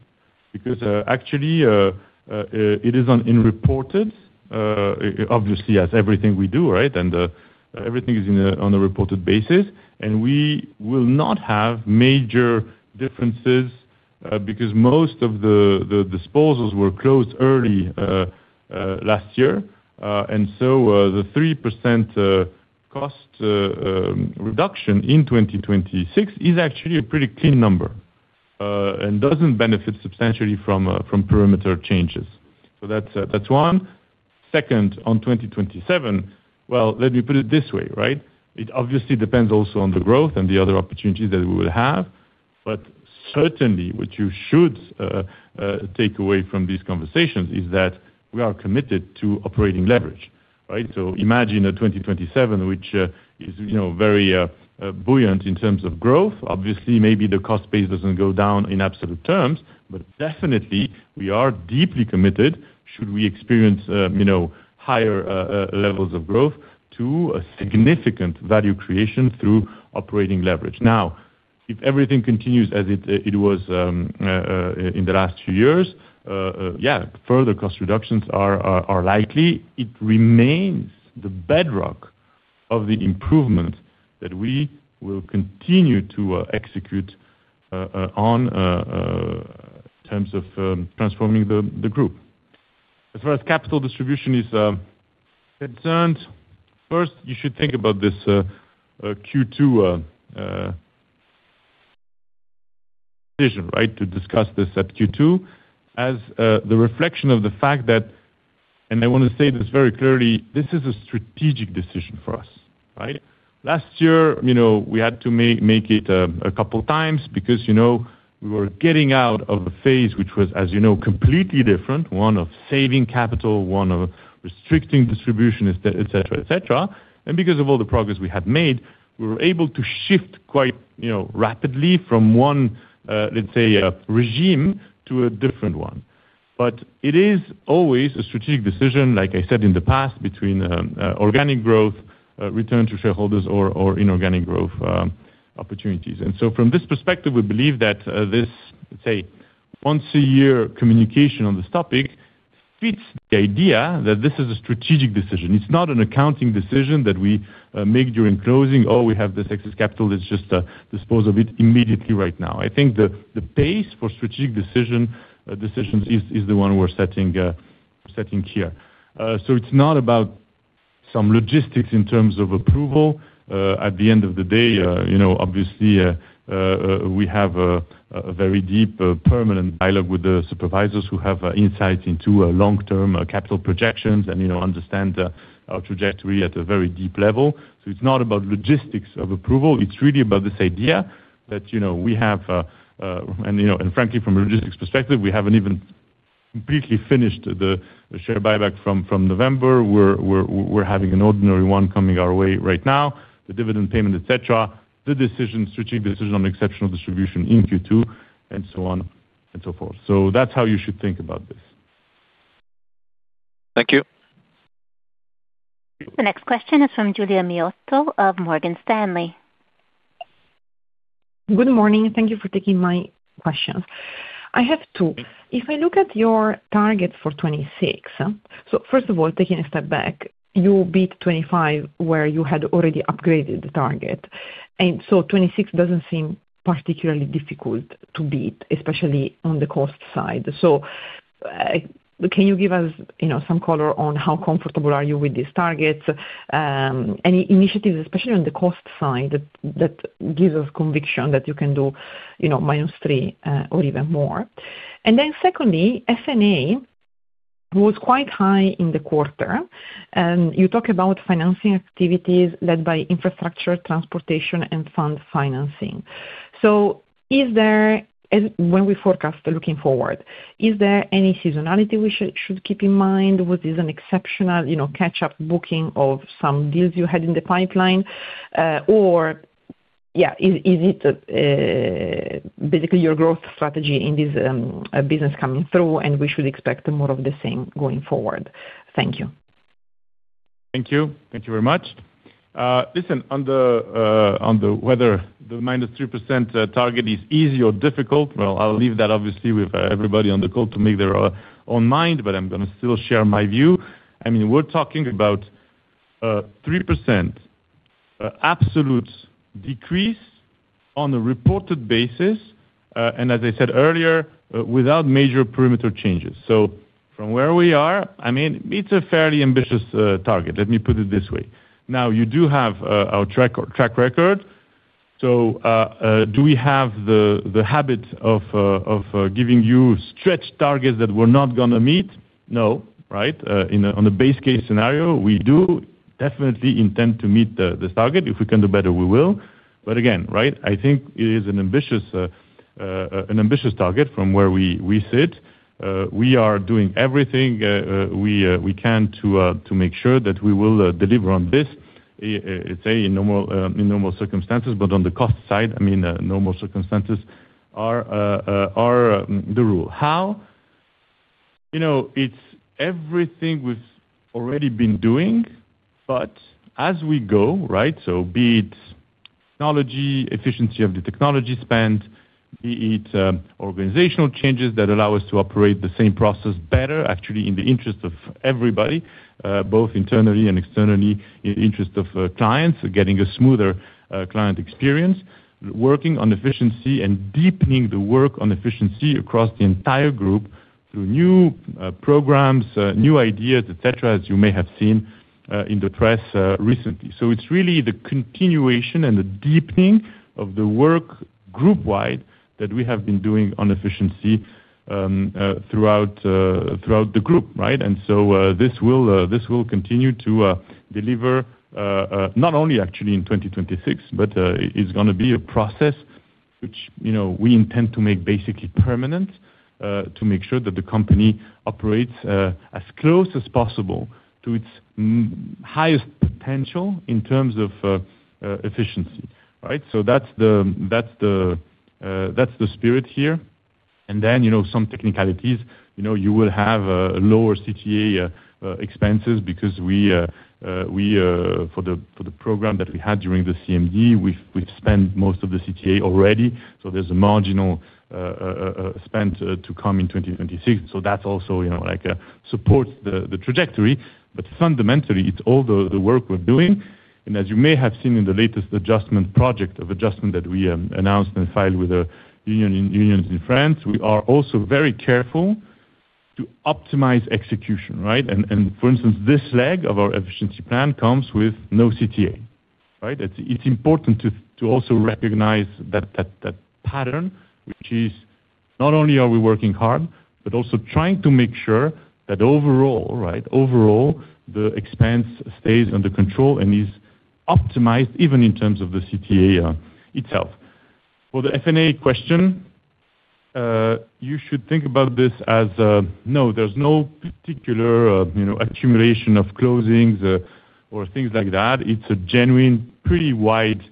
because actually, it isn't in reported. Obviously, as everything we do, right? And everything is on a reported basis. And we will not have major differences because most of the disposals were closed early last year. And so the 3% cost reduction in 2026 is actually a pretty clean number and doesn't benefit substantially from perimeter changes. So that's one. Second, on 2027, well, let me put it this way, right? It obviously depends also on the growth and the other opportunities that we will have. But certainly, what you should take away from these conversations is that we are committed to operating leverage, right? So imagine a 2027 which is very buoyant in terms of growth. Obviously, maybe the cost base doesn't go down in absolute terms, but definitely, we are deeply committed, should we experience higher levels of growth, to significant value creation through operating leverage. Now, if everything continues as it was in the last few years, yeah, further cost reductions are likely. It remains the bedrock of the improvements that we will continue to execute in terms of transforming the group. As far as capital distribution is concerned, first, you should think about this Q2 decision, right, to discuss this at Q2 as the reflection of the fact that and I want to say this very clearly, this is a strategic decision for us, right? Last year, we had to make it a couple of times because we were getting out of a phase which was, as you know, completely different, one of saving capital, one of restricting distribution, etc., etc. And because of all the progress we had made, we were able to shift quite rapidly from one, let's say, regime to a different one. But it is always a strategic decision, like I said in the past, between organic growth, return to shareholders, or inorganic growth opportunities. And so from this perspective, we believe that this, let's say, once-a-year communication on this topic fits the idea that this is a strategic decision. It's not an accounting decision that we make during closing, "Oh, we have this excess capital. Let's just dispose of it immediately right now." I think the pace for strategic decisions is the one we're setting here. So it's not about some logistics in terms of approval. At the end of the day, obviously, we have a very deep, permanent dialogue with the supervisors who have insights into long-term capital projections and understand our trajectory at a very deep level. So it's not about logistics of approval. It's really about this idea that we have and frankly, from a logistics perspective, we haven't even completely finished the share buyback from November. We're having an ordinary one coming our way right now, the dividend payment, etc., the strategic decision on exceptional distribution in Q2, and so on and so forth. So that's how you should think about this. Thank you. The next question is from Giulia Miotto of Morgan Stanley. Good morning. Thank you for taking my questions. I have two. If I look at your targets for 2026 so first of all, taking a step back, you beat 2025 where you had already upgraded the target. And so 2026 doesn't seem particularly difficult to beat, especially on the cost side. So can you give us some color on how comfortable are you with these targets? Any initiatives, especially on the cost side, that gives us conviction that you can do -3% or even more? And then secondly, F&A was quite high in the quarter. And you talk about financing activities led by infrastructure, transportation, and fund financing. So when we forecast looking forward, is there any seasonality we should keep in mind? Was this an exceptional catch-up booking of some deals you had in the pipeline? Or yeah, is it basically your growth strategy in this business coming through, and we should expect more of the same going forward? Thank you. Thank you. Thank you very much. Listen, on whether the -3% target is easy or difficult, well, I'll leave that, obviously, with everybody on the call to make their own mind, but I'm going to still share my view. I mean, we're talking about a 3% absolute decrease on a reported basis and, as I said earlier, without major perimeter changes. So from where we are, I mean, it's a fairly ambitious target. Let me put it this way. Now, you do have our track record. So do we have the habit of giving you stretched targets that we're not going to meet? No, right? On a base-case scenario, we do definitely intend to meet this target. If we can do better, we will. But again, right, I think it is an ambitious target from where we sit. We are doing everything we can to make sure that we will deliver on this, let's say, in normal circumstances. But on the cost side, I mean, normal circumstances are the rule. How? It's everything we've already been doing. As we go, right? So be it technology, efficiency of the technology spend, be it organizational changes that allow us to operate the same process better, actually in the interest of everybody, both internally and externally, in the interest of clients, getting a smoother client experience, working on efficiency and deepening the work on efficiency across the entire group through new programs, new ideas, etc., as you may have seen in the press recently. It's really the continuation and the deepening of the work group-wide that we have been doing on efficiency throughout the group, right? This will continue to deliver not only actually in 2026, but it's going to be a process which we intend to make basically permanent to make sure that the company operates as close as possible to its highest potential in terms of efficiency, right? That's the spirit here. Some technicalities. You will have lower CTA expenses because we, for the program that we had during the CMD, we've spent most of the CTA already. There's a marginal spend to come in 2026. That also supports the trajectory. Fundamentally, it's all the work we're doing. As you may have seen in the latest adjustment project of adjustment that we announced and filed with unions in France, we are also very careful to optimize execution, right? For instance, this leg of our efficiency plan comes with no CTA, right? It's important to also recognize that pattern, which is not only are we working hard, but also trying to make sure that overall, right, overall, the expense stays under control and is optimized even in terms of the CTA itself. For the F&A question, you should think about this as no, there's no particular accumulation of closings or things like that. It's a genuine, pretty wide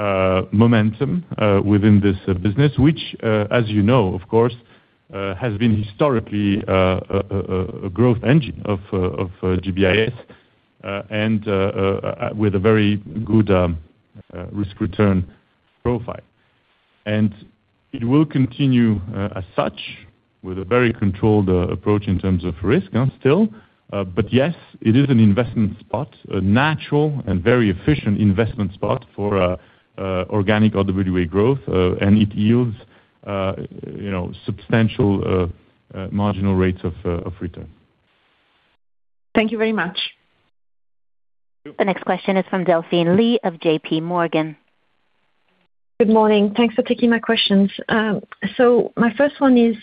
momentum within this business, which, as you know, of course, has been historically a growth engine of GBIS and with a very good risk-return profile. And it will continue as such with a very controlled approach in terms of risk still. But yes, it is an investment spot, a natural and very efficient investment spot for organic RWA growth. And it yields substantial marginal rates of return. Thank you very much. The next question is from Delphine Lee of JPMorgan. Good morning. Thanks for taking my questions. So my first one is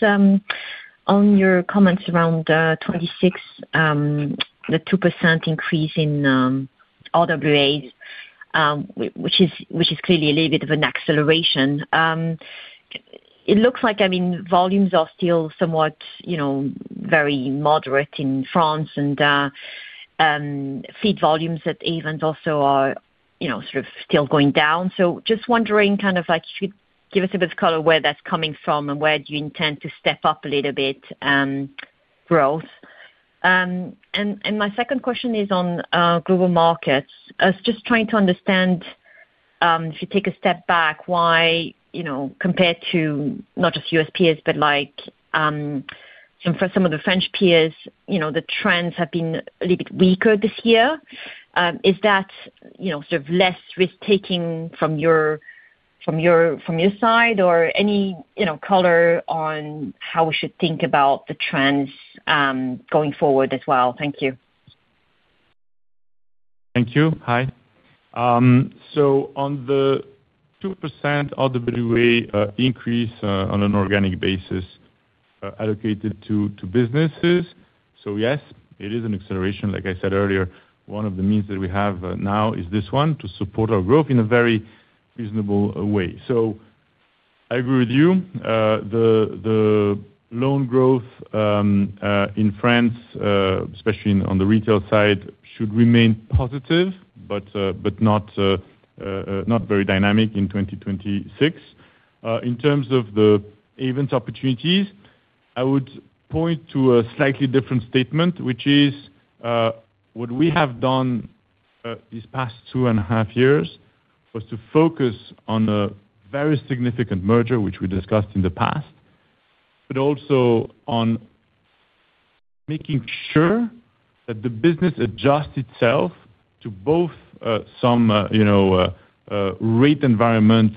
on your comments around 2026, the 2% increase in RWAs, which is clearly a little bit of an acceleration. It looks like, I mean, volumes are still somewhat very moderate in France, and fleet volumes at Ayvens also are sort of still going down. So just wondering kind of if you could give us a bit of color where that's coming from and where do you intend to step up a little bit growth. And my second question is on Global Markets. I was just trying to understand, if you take a step back, why compared to not just U.S. peers, but some of the French peers, the trends have been a little bit weaker this year. Is that sort of less risk-taking from your side? Or any color on how we should think about the trends going forward as well? Thank you. Thank you. Hi. So on the 2% RWA increase on an organic basis allocated to businesses, so yes, it is an acceleration. Like I said earlier, one of the means that we have now is this one to support our growth in a very reasonable way. So I agree with you. The loan growth in France, especially on the retail side, should remain positive but not very dynamic in 2026. In terms of the Ayvens opportunities, I would point to a slightly different statement, which is what we have done these past two and a half years was to focus on a very significant merger, which we discussed in the past, but also on making sure that the business adjusts itself to both some rate environment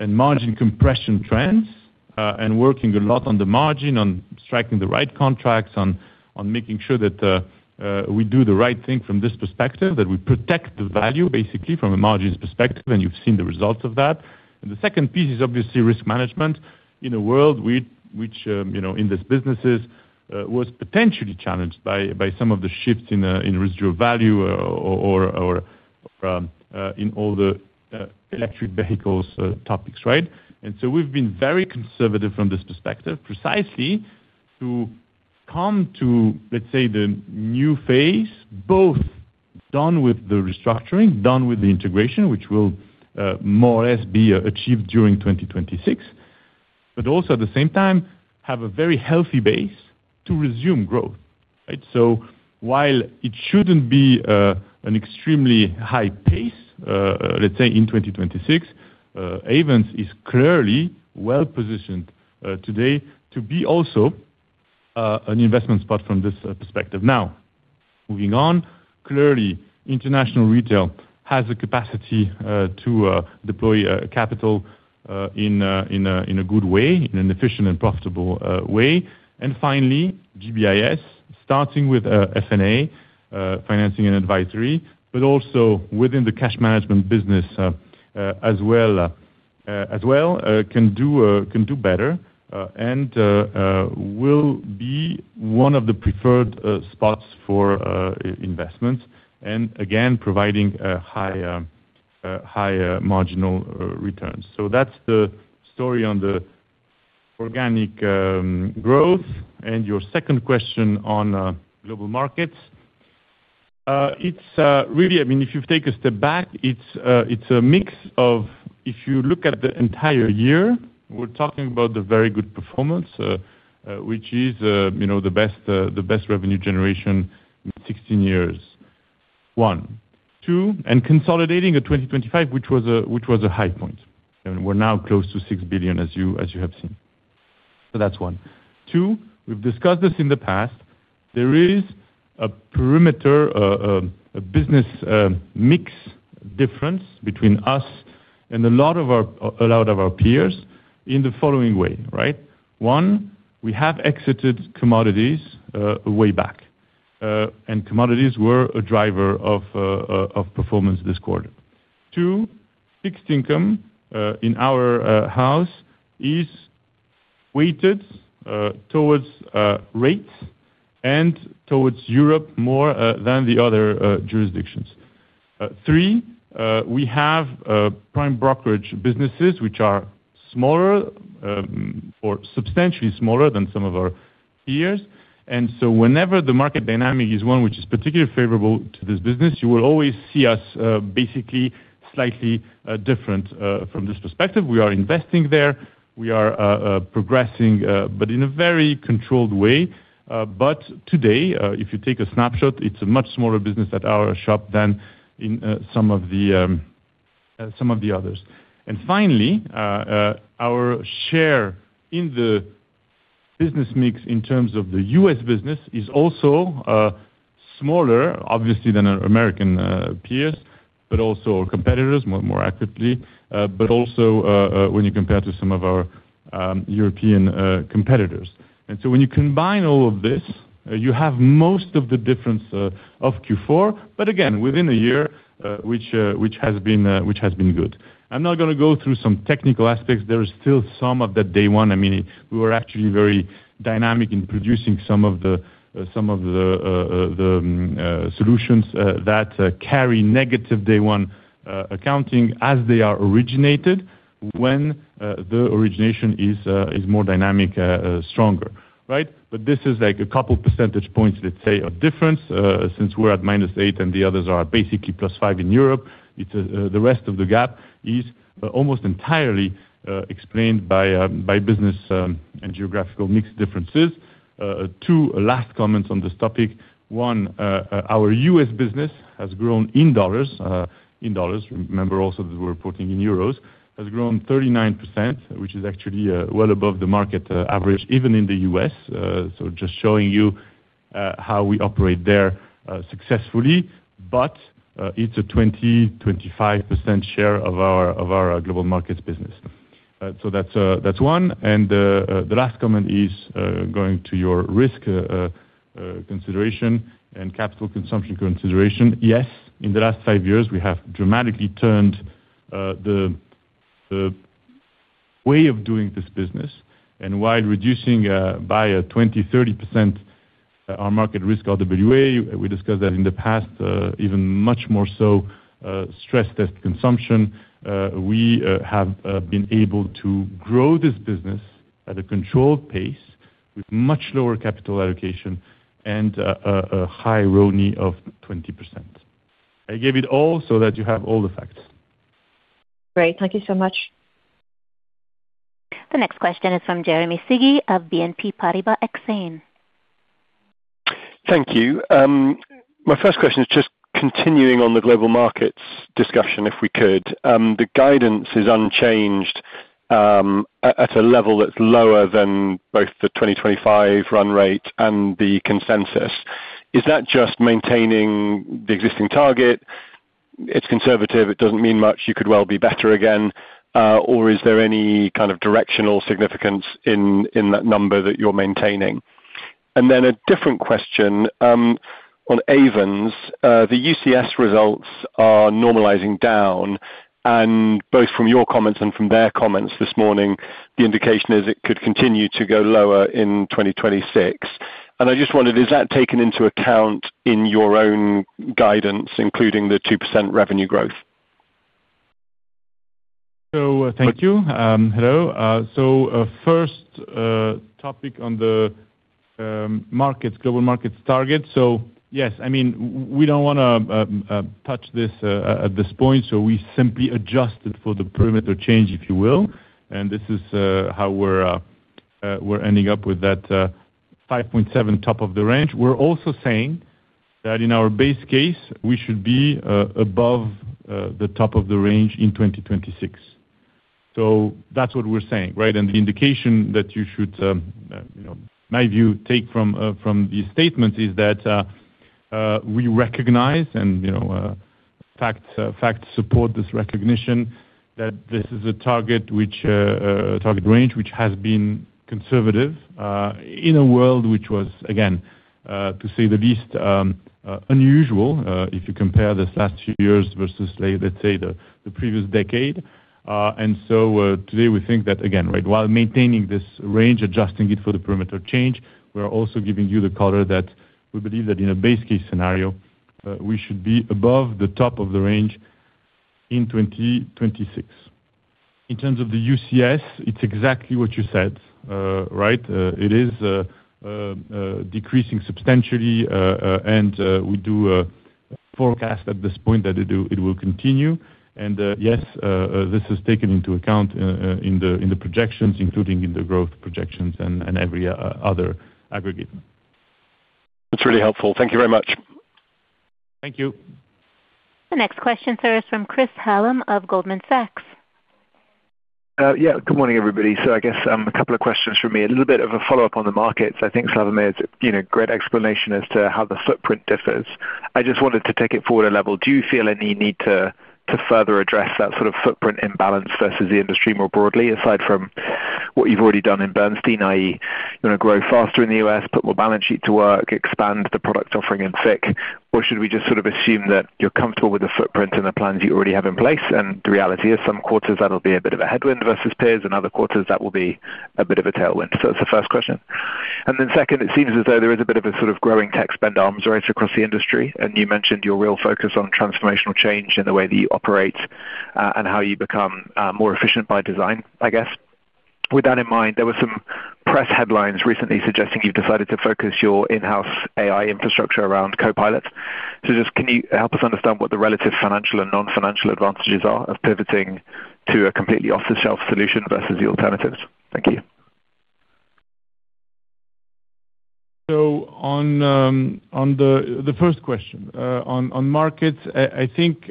and margin compression trends and working a lot on the margin, on striking the right contracts, on making sure that we do the right thing from this perspective, that we protect the value, basically, from a margins perspective, and you've seen the results of that. The second piece is obviously risk management in a world which, in this businesses, was potentially challenged by some of the shifts in residual value or in all the electric vehicles topics, right? And so we've been very conservative from this perspective precisely to come to, let's say, the new phase, both done with the restructuring, done with the integration, which will more or less be achieved during 2026, but also at the same time have a very healthy base to resume growth, right? So while it shouldn't be an extremely high pace, let's say, in 2026, Ayvens is clearly well-positioned today to be also an investment spot from this perspective. Now, moving on, clearly, international retail has the capacity to deploy capital in a good way, in an efficient and profitable way. And finally, GBIS, starting with F&A, financing and advisory, but also within the cash management business as well, can do better and will be one of the preferred spots for investments and, again, providing high marginal returns. So that's the story on the organic growth. And your second question on Global Markets. It's really, I mean, if you take a step back, it's a mix of if you look at the entire year, we're talking about the very good performance, which is the best revenue generation in 16 years, one. Two, and consolidating a 2025 which was a high point. I mean, we're now close to 6 billion, as you have seen. So that's one. Two, we've discussed this in the past. There is a perimeter, a business mix difference between us and a lot of our peers in the following way, right? One, we have exited commodities a way back, and commodities were a driver of performance this quarter. Two, fixed income in our house is weighted towards rates and towards Europe more than the other jurisdictions. Three, we have prime brokerage businesses which are smaller or substantially smaller than some of our peers. And so whenever the market dynamic is one which is particularly favorable to this business, you will always see us basically slightly different from this perspective. We are investing there. We are progressing, but in a very controlled way. But today, if you take a snapshot, it's a much smaller business at our shop than in some of the others. And finally, our share in the business mix in terms of the U.S. business is also smaller, obviously, than our American peers, but also our competitors, more accurately, but also when you compare to some of our European competitors. And so when you combine all of this, you have most of the difference of Q4, but again, within a year, which has been good. I'm not going to go through some technical aspects. There is still some of that day one. I mean, we were actually very dynamic in producing some of the solutions that carry negative day one accounting as they are originated when the origination is more dynamic, stronger, right? But this is like a couple percentage points, let's say, of difference since we're at -8 and the others are basically +5 in Europe. The rest of the gap is almost entirely explained by business and geographical mix differences. Two last comments on this topic. One, our U.S. business has grown in dollars. Remember also that we're reporting in euros. Has grown 39%, which is actually well above the market average, even in the U.S. So just showing you how we operate there successfully. But it's a 20%-25% share of our Global Markets business. So that's one. And the last comment is going to your risk consideration and capital consumption consideration. Yes, in the last five years, we have dramatically turned the way of doing this business. And while reducing by 20%-30% our market risk RWA, we discussed that in the past, even much more so, stress-test consumption, we have been able to grow this business at a controlled pace with much lower capital allocation and a high RONE of 20%. I gave it all so that you have all the facts. Great. Thank you so much. The next question is from Jeremy Sigee of BNP Paribas Exane. Thank you. My first question is just continuing on the Global Markets discussion, if we could. The guidance is unchanged at a level that's lower than both the 2025 run rate and the consensus. Is that just maintaining the existing target? It's conservative. It doesn't mean much. You could well be better again. Or is there any kind of directional significance in that number that you're maintaining? And then a different question. On Ayvens, the UCS results are normalizing down. And both from your comments and from their comments this morning, the indication is it could continue to go lower in 2026. And I just wondered, is that taken into account in your own guidance, including the 2% revenue growth? So thank you. Hello. First topic on the Global Markets target. Yes, I mean, we don't want to touch this at this point. We simply adjusted for the perimeter change, if you will. And this is how we're ending up with that 5.7 top of the range. We're also saying that in our base case, we should be above the top of the range in 2026. That's what we're saying, right? The indication that you should, in my view, take from these statements is that we recognize, and facts support this recognition, that this is a target range, which has been conservative in a world which was, again, to say the least, unusual if you compare this last few years versus, let's say, the previous decade. Today, we think that, again, right, while maintaining this range, adjusting it for the perimeter change, we're also giving you the color that we believe that in a base case scenario, we should be above the top of the range in 2026. In terms of the UCS, it's exactly what you said, right? It is decreasing substantially. We do forecast at this point that it will continue. Yes, this is taken into account in the projections, including in the growth projections and every other aggregate. That's really helpful. Thank you very much. Thank you. The next question, sir, is from Chris Hallam of Goldman Sachs. Yeah. Good morning, everybody. So I guess a couple of questions from me. A little bit of a follow-up on the markets. I think Slawomir's great explanation as to how the footprint differs. I just wanted to take it forward a level. Do you feel any need to further address that sort of footprint imbalance versus the industry more broadly, aside from what you've already done in Bernstein, i.e., you want to grow faster in the U.S., put more balance sheet to work, expand the product offering in FIC? Or should we just sort of assume that you're comfortable with the footprint and the plans you already have in place? And the reality is, some quarters, that'll be a bit of a headwind versus peers, and other quarters, that will be a bit of a tailwind. So that's the first question. And then second, it seems as though there is a bit of a sort of growing tech spend arms race across the industry. And you mentioned your real focus on transformational change in the way that you operate and how you become more efficient by design, I guess. With that in mind, there were some press headlines recently suggesting you've decided to focus your in-house AI infrastructure around Copilot. So just can you help us understand what the relative financial and non-financial advantages are of pivoting to a completely off-the-shelf solution versus the alternatives? Thank you. So on the first question, on markets, I think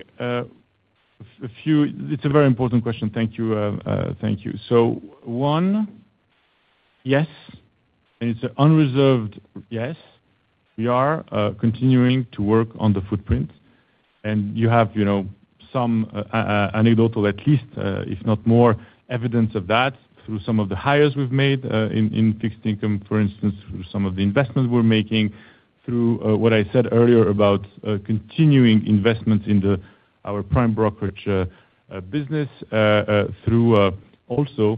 a few it's a very important question. Thank you. Thank you. So one, yes, it's an unreserved. Yes, we are continuing to work on the footprint. You have some anecdotal, at least, if not more, evidence of that through some of the hires we've made in fixed income, for instance, through some of the investments we're making, through what I said earlier about continuing investments in our prime brokerage business, through also,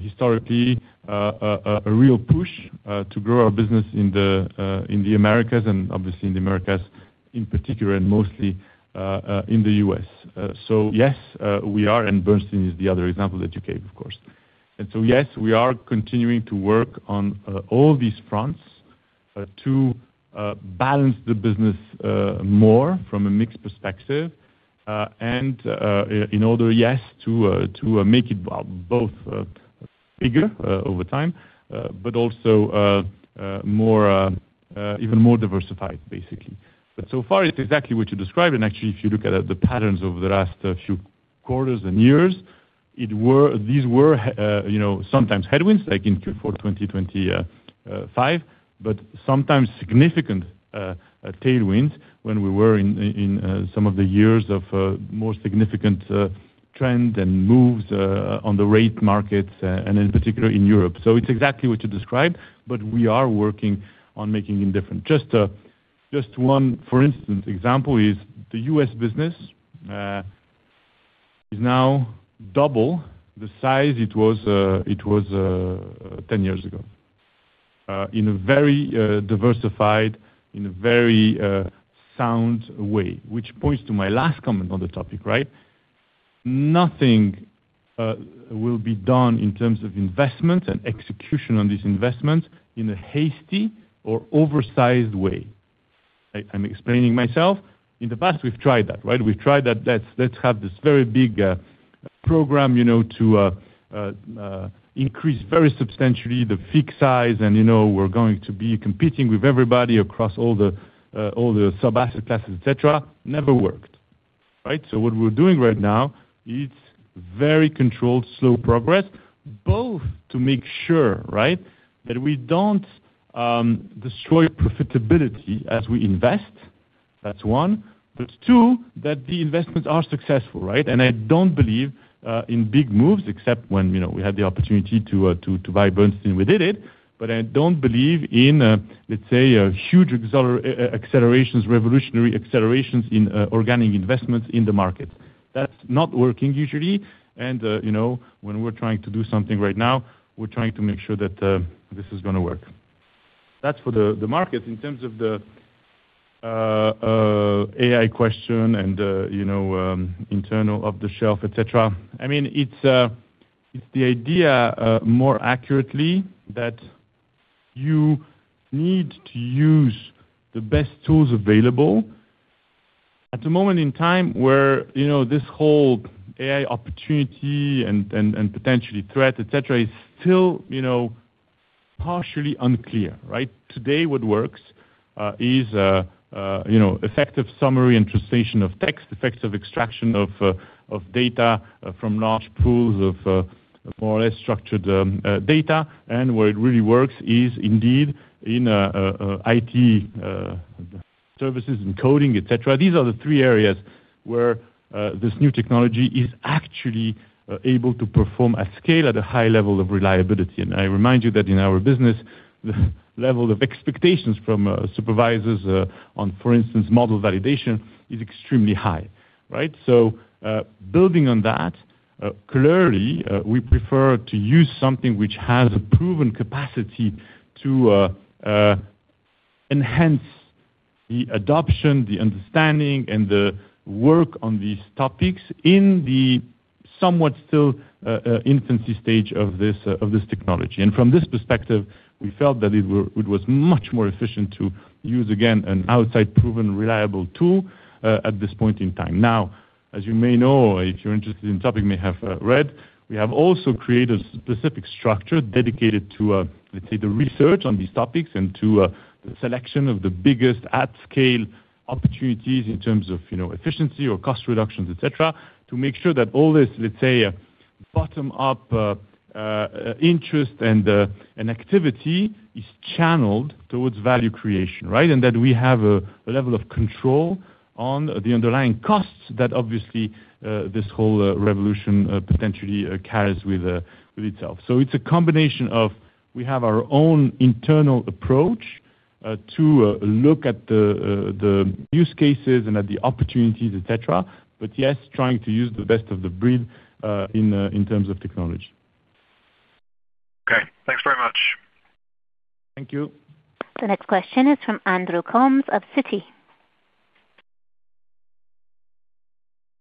historically, a real push to grow our business in the Americas and obviously in the Americas in particular and mostly in the U.S. So yes, we are. And Bernstein is the other example that you gave, of course. So yes, we are continuing to work on all these fronts to balance the business more from a mixed perspective. And in order, yes, to make it both bigger over time, but also even more diversified, basically. But so far, it's exactly what you described. And actually, if you look at the patterns over the last few quarters and years, these were sometimes headwinds, like in Q4 2025, but sometimes significant tailwinds when we were in some of the years of more significant trend and moves on the rate markets and in particular in Europe. So it's exactly what you described, but we are working on making it different. Just one, for instance, example is the U.S. business is now double the size it was 10 years ago in a very diversified, in a very sound way, which points to my last comment on the topic, right? Nothing will be done in terms of investments and execution on these investments in a hasty or oversized way. I'm explaining myself. In the past, we've tried that, right? We've tried that. Let's have this very big program to increase very substantially the fixed income size, and we're going to be competing with everybody across all the sub-asset classes, etc. Never worked, right? So what we're doing right now, it's very controlled, slow progress, both to make sure, right, that we don't destroy profitability as we invest. That's one. But two, that the investments are successful, right? And I don't believe in big moves, except when we had the opportunity to buy Bernstein, we did it. But I don't believe in, let's say, huge accelerations, revolutionary accelerations in organic investments in the market. That's not working usually. And when we're trying to do something right now, we're trying to make sure that this is going to work. That's for the markets. In terms of the AI question and internal off-the-shelf, etc., I mean, it's the idea, more accurately, that you need to use the best tools available at a moment in time where this whole AI opportunity and potentially threat, etc., is still partially unclear, right? Today, what works is effective summary and translation of text, effective extraction of data from large pools of more or less structured data. And where it really works is, indeed, in IT services and coding, etc. These are the three areas where this new technology is actually able to perform at scale, at a high level of reliability. And I remind you that in our business, the level of expectations from supervisors on, for instance, model validation is extremely high, right? So building on that, clearly, we prefer to use something which has a proven capacity to enhance the adoption, the understanding, and the work on these topics in the somewhat still infancy stage of this technology. And from this perspective, we felt that it was much more efficient to use, again, an outside-proven, reliable tool at this point in time. Now, as you may know, if you're interested in the topic, may have read, we have also created a specific structure dedicated to, let's say, the research on these topics and to the selection of the biggest at-scale opportunities in terms of efficiency or cost reductions, etc., to make sure that all this, let's say, bottom-up interest and activity is channeled towards value creation, right? And that we have a level of control on the underlying costs that obviously this whole revolution potentially carries with itself. So it's a combination of we have our own internal approach to look at the use cases and at the opportunities, etc., but yes, trying to use the best of the breed in terms of technology. Okay. Thanks very much. Thank you. The next question is from Andrew Coombs of Citi.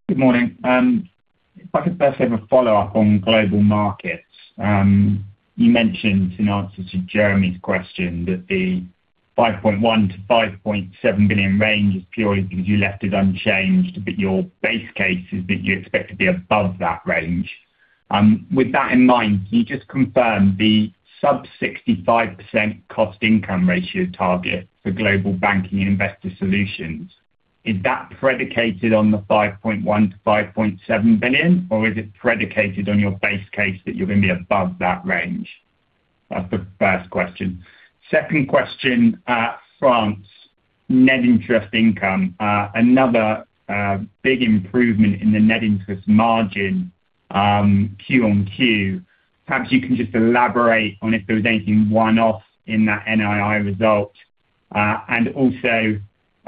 Good morning. If I could first have a follow-up on Global Markets. You mentioned, in answer to Jeremy's question, that the 5.1 billion-5.7 billion range is purely because you left it unchanged, but your base case is that you expect to be above that range. With that in mind, can you just confirm the sub-65% cost-income ratio target for Global Banking & Investor Solutions, is that predicated on the 5.1 billion-5.7 billion, or is it predicated on your base case that you're going to be above that range? That's the first question. Second question, France, net interest income, another big improvement in the net interest margin quarter-over-quarter. Perhaps you can just elaborate on if there was anything one-off in that NII result. And also,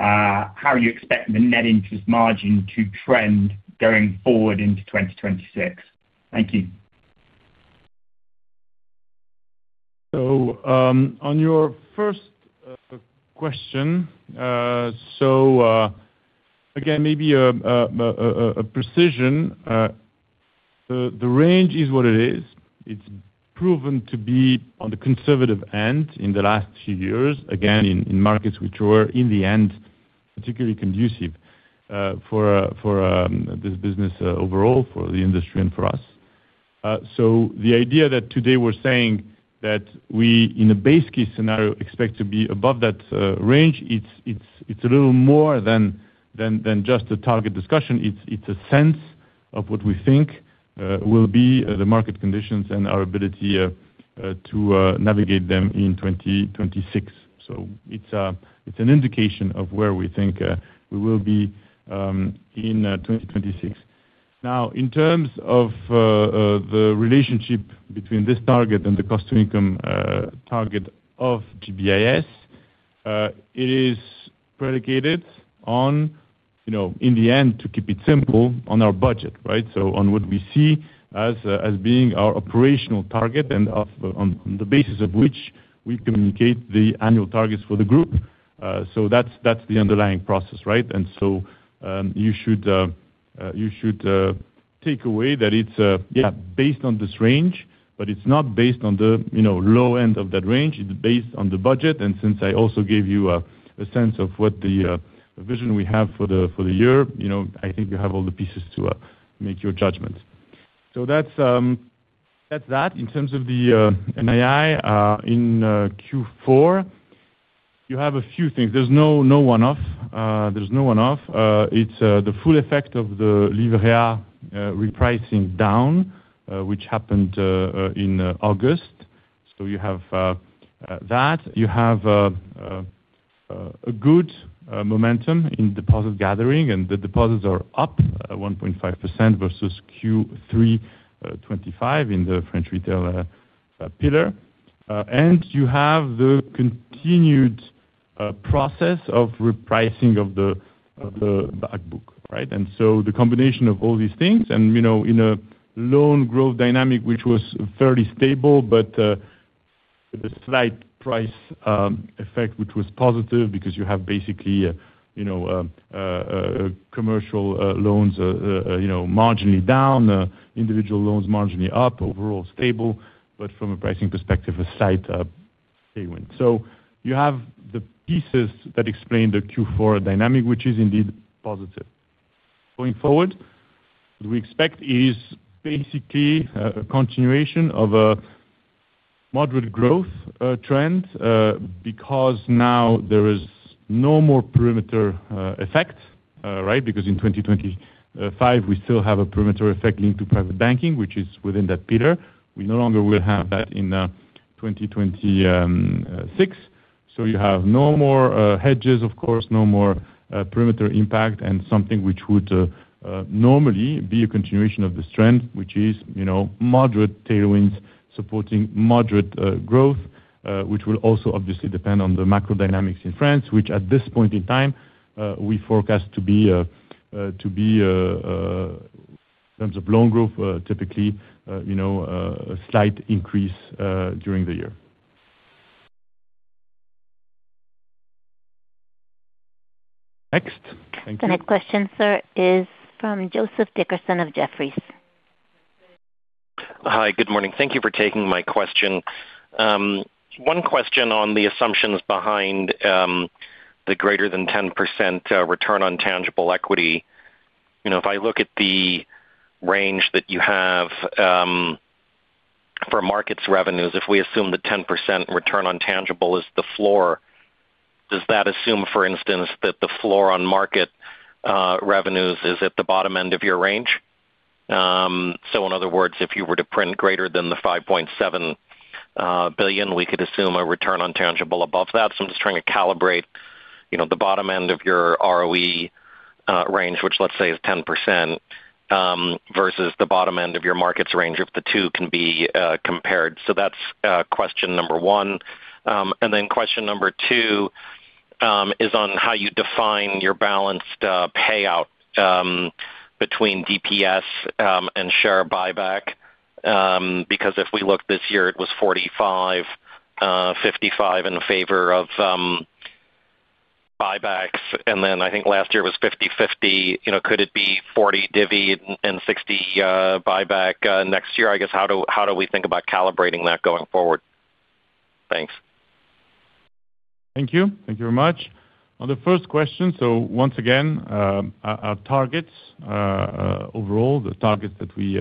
how you expect the net interest margin to trend going forward into 2026. Thank you. So on your first question, so again, maybe a precision. The range is what it is. It's proven to be on the conservative end in the last few years, again, in markets which were, in the end, particularly conducive for this business overall, for the industry, and for us. So the idea that today we're saying that we, in a base case scenario, expect to be above that range, it's a little more than just a target discussion. It's a sense of what we think will be the market conditions and our ability to navigate them in 2026. So it's an indication of where we think we will be in 2026. Now, in terms of the relationship between this target and the cost-to-income target of GBIS, it is predicated on, in the end, to keep it simple, on our budget, right? So on what we see as being our operational target and on the basis of which we communicate the annual targets for the group. So that's the underlying process, right? And so you should take away that it's, yeah, based on this range, but it's not based on the low end of that range. It's based on the budget. And since I also gave you a sense of what the vision we have for the year, I think you have all the pieces to make your judgment. So that's that. In terms of the NII, in Q4, you have a few things. There's no one-off. There's no one-off. It's the full effect of the Livret A repricing down, which happened in August. So you have that. You have a good momentum in deposit gathering, and the deposits are up 1.5% versus Q3 2025 in the French retail pillar. And you have the continued process of repricing of the backbook, right? And so the combination of all these things and in a loan growth dynamic which was fairly stable, but with a slight price effect which was positive because you have basically commercial loans marginally down, individual loans marginally up, overall stable, but from a pricing perspective, a slight tailwind. So you have the pieces that explain the Q4 dynamic, which is indeed positive. Going forward, what we expect is basically a continuation of a moderate growth trend because now there is no more perimeter effect, right? Because in 2025, we still have a perimeter effect linked to Private Banking, which is within that pillar. We no longer will have that in 2026. So you have no more hedges, of course, no more perimeter impact, and something which would normally be a continuation of this trend, which is moderate tailwinds supporting moderate growth, which will also obviously depend on the macrodynamics in France, which at this point in time, we forecast to be in terms of loan growth, typically a slight increase during the year. Next. Thank you. The next question, sir, is from Joseph Dickerson of Jefferies. Hi. Good morning. Thank you for taking my question. One question on the assumptions behind the greater-than 10% return on tangible equity. If I look at the range that you have for markets revenues, if we assume that 10% return on tangible is the floor, does that assume, for instance, that the floor on market revenues is at the bottom end of your range? So in other words, if you were to print greater than the 5.7 billion, we could assume a return on tangible above that. So I'm just trying to calibrate the bottom end of your ROE range, which let's say is 10%, versus the bottom end of your markets range if the two can be compared. So that's question number one. And then question number two is on how you define your balanced payout between DPS and share buyback. Because if we look this year, it was 45/55 in favor of buybacks, and then I think last year it was 50/50. Could it be 40 divvy and 60 buyback next year? I guess how do we think about calibrating that going forward? Thanks. Thank you. Thank you very much. On the first question, so once again, our targets overall, the targets that we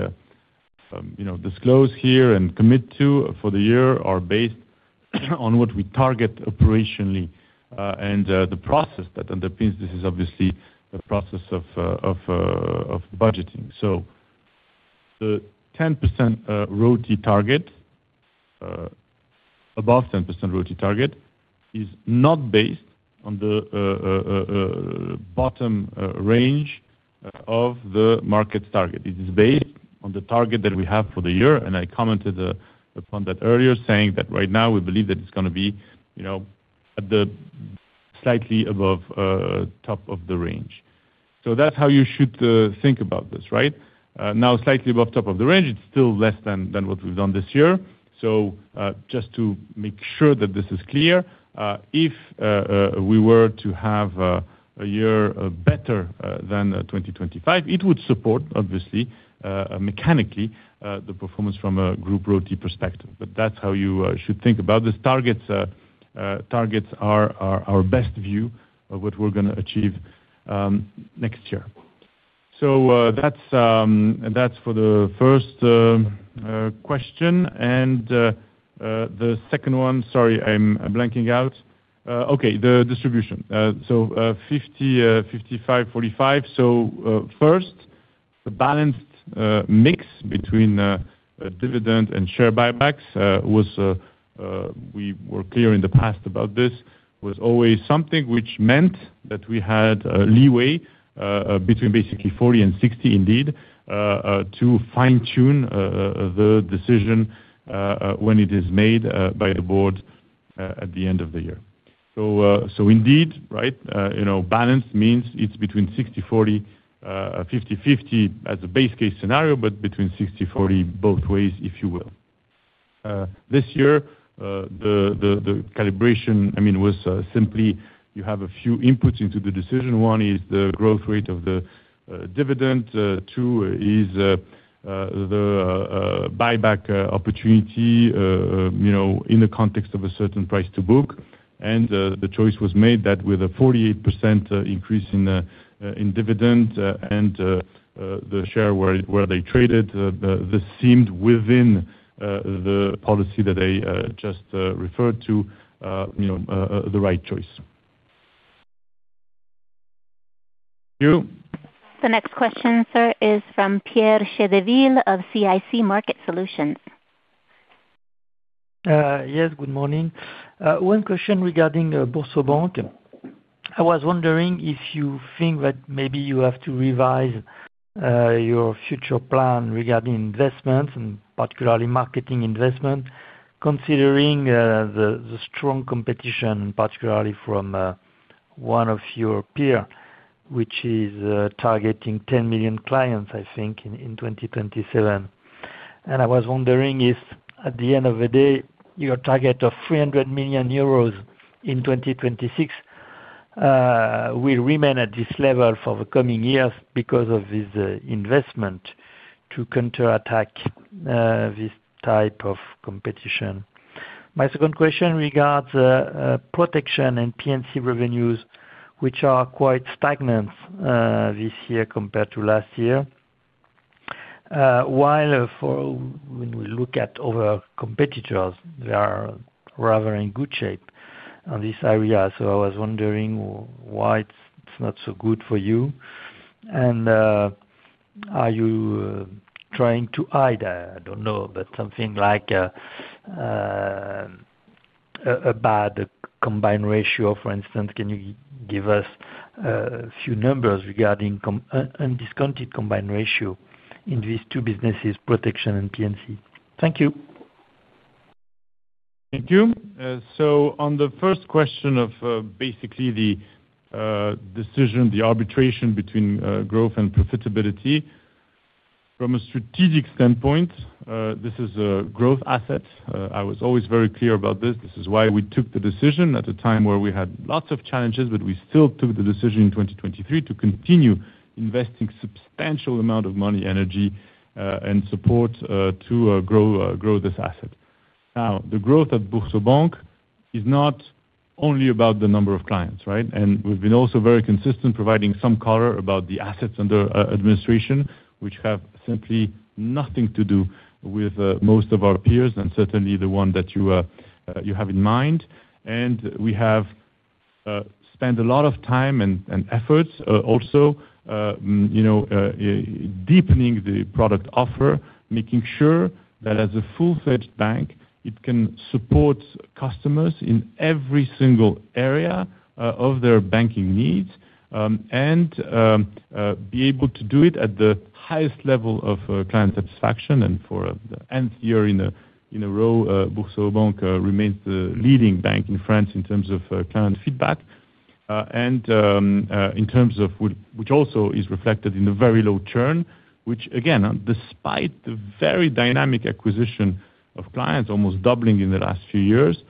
disclose here and commit to for the year are based on what we target operationally and the process that underpins. This is obviously the process of budgeting. So the 10% ROTE target, above 10% ROTE target, is not based on the bottom range of the markets target. It is based on the target that we have for the year. And I commented upon that earlier, saying that right now, we believe that it's going to be slightly above top of the range. So that's how you should think about this, right? Now, slightly above top of the range, it's still less than what we've done this year. So just to make sure that this is clear, if we were to have a year better than 2025, it would support, obviously, mechanically, the performance from a group ROTE perspective. But that's how you should think about this. Targets are our best view of what we're going to achieve next year. So that's for the first question. And the second one, sorry, I'm blanking out. Okay, the distribution. So 50, 55, 45. So first, the balanced mix between dividend and share buybacks was we were clear in the past about this was always something which meant that we had leeway between basically 40 and 60, indeed, to fine-tune the decision when it is made by the board at the end of the year. So indeed, right, balanced means it's between 60/40, 50/50 as a base case scenario, but between 60/40 both ways, if you will. This year, the calibration, I mean, was simply you have a few inputs into the decision. One is the growth rate of the dividend. Two is the buyback opportunity in the context of a certain price to book. And the choice was made that with a 48% increase in dividend and the share where they traded, this seemed within the policy that I just referred to, the right choice. Thank you. The next question, sir, is from Pierre Chédeville of CIC Market Solutions. Yes. Good morning. One question regarding BoursoBank. I was wondering if you think that maybe you have to revise your future plan regarding investments, and particularly marketing investment, considering the strong competition, particularly from one of your peers, which is targeting 10 million clients, I think, in 2027. I was wondering if, at the end of the day, your target of 300 million euros in 2026 will remain at this level for the coming years because of this investment to counterattack this type of competition. My second question regards protection and P&C revenues, which are quite stagnant this year compared to last year. While when we look at other competitors, they are rather in good shape on this area. So I was wondering why it's not so good for you. And are you trying to hide? I don't know, but something like a bad combined ratio, for instance. Can you give us a few numbers regarding undiscounted combined ratio in these two businesses, protection and P&C? Thank you. Thank you. So on the first question of basically the decision, the arbitration between growth and profitability, from a strategic standpoint, this is a growth asset. I was always very clear about this. This is why we took the decision at a time where we had lots of challenges, but we still took the decision in 2023 to continue investing a substantial amount of money, energy, and support to grow this asset. Now, the growth at BoursoBank is not only about the number of clients, right? We've been also very consistent providing some color about the assets under administration, which have simply nothing to do with most of our peers and certainly the one that you have in mind. We have spent a lot of time and efforts also deepening the product offer, making sure that as a full-fledged bank, it can support customers in every single area of their banking needs and be able to do it at the highest level of client satisfaction. For the nth year in a row, BoursoBank remains the leading bank in France in terms of client feedback, and in terms of which also is reflected in the very low churn, which, again, despite the very dynamic acquisition of clients, almost doubling in the last few years,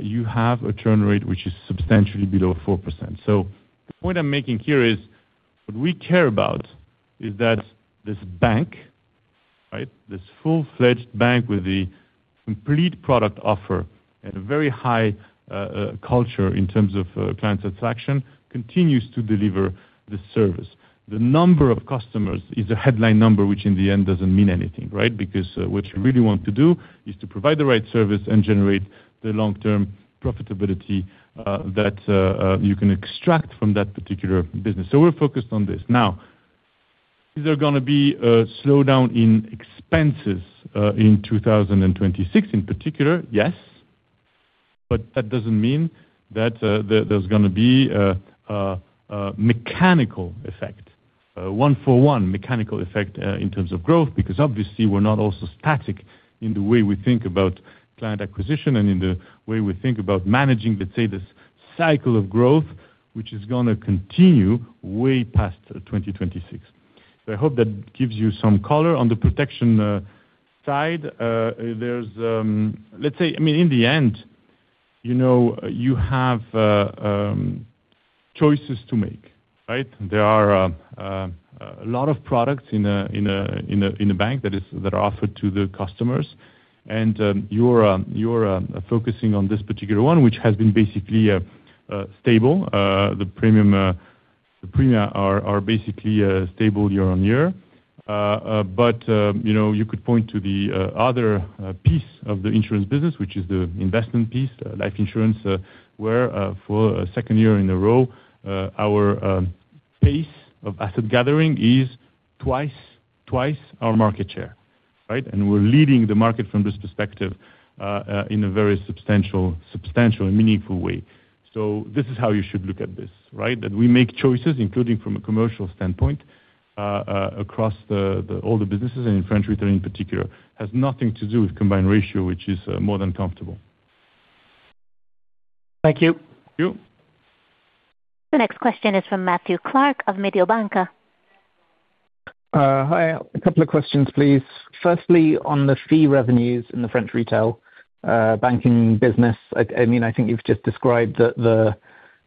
you have a churn rate which is substantially below 4%. So the point I'm making here is what we care about is that this bank, right, this full-fledged bank with the complete product offer and a very high culture in terms of client satisfaction, continues to deliver the service. The number of customers is a headline number which, in the end, doesn't mean anything, right? Because what you really want to do is to provide the right service and generate the long-term profitability that you can extract from that particular business. So we're focused on this. Now, is there going to be a slowdown in expenses in 2026 in particular? Yes. But that doesn't mean that there's going to be a mechanical effect, one-for-one mechanical effect in terms of growth, because obviously, we're not also static in the way we think about client acquisition and in the way we think about managing, let's say, this cycle of growth which is going to continue way past 2026. So I hope that gives you some color. On the protection side, there's let's say, I mean, in the end, you have choices to make, right? There are a lot of products in a bank that are offered to the customers. And you're focusing on this particular one, which has been basically stable. The premia are basically stable year on year. But you could point to the other piece of the insurance business, which is the investment piece, life insurance, where for a second year in a row, our pace of asset gathering is twice our market share, right? And we're leading the market from this perspective in a very substantial and meaningful way. So this is how you should look at this, right? That we make choices, including from a commercial standpoint, across all the businesses and in French retail in particular, has nothing to do with combined ratio, which is more than comfortable. Thank you. Thank you. The next question is from Matthew Clark of Mediobanca. Hi. A couple of questions, please. Firstly, on the fee revenues in the French retail banking business, I mean, I think you've just described the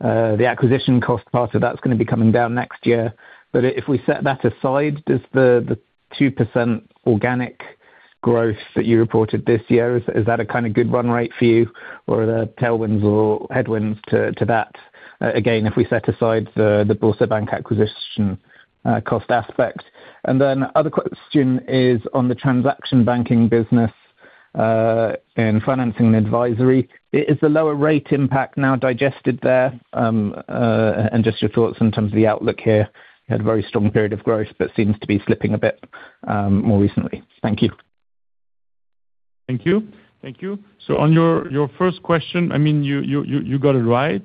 acquisition cost part of that's going to be coming down next year. But if we set that aside, does the 2% organic growth that you reported this year, is that a kind of good run rate for you, or are there tailwinds or headwinds to that, again, if we set aside the BoursoBank acquisition cost aspect? And then other question is on the transaction banking business and financing and advisory. Is the lower rate impact now digested there? And just your thoughts in terms of the outlook here. You had a very strong period of growth, but seems to be slipping a bit more recently. Thank you. Thank you. Thank you. So on your first question, I mean, you got it right.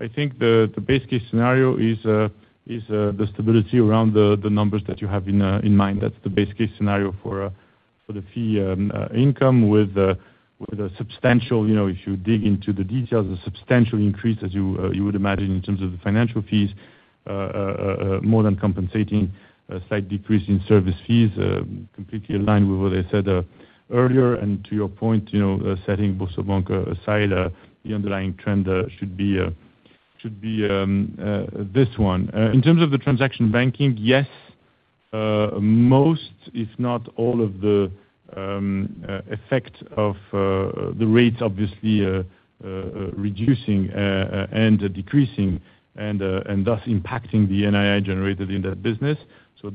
I think the base case scenario is the stability around the numbers that you have in mind. That's the base case scenario for the fee income with a substantial, if you dig into the details, a substantial increase, as you would imagine, in terms of the financial fees, more than compensating a slight decrease in service fees, completely aligned with what I said earlier. To your point, setting BoursoBank aside, the underlying trend should be this one. In terms of the transaction banking, yes, most, if not all, of the effect of the rates obviously reducing and decreasing and thus impacting the NII generated in that business.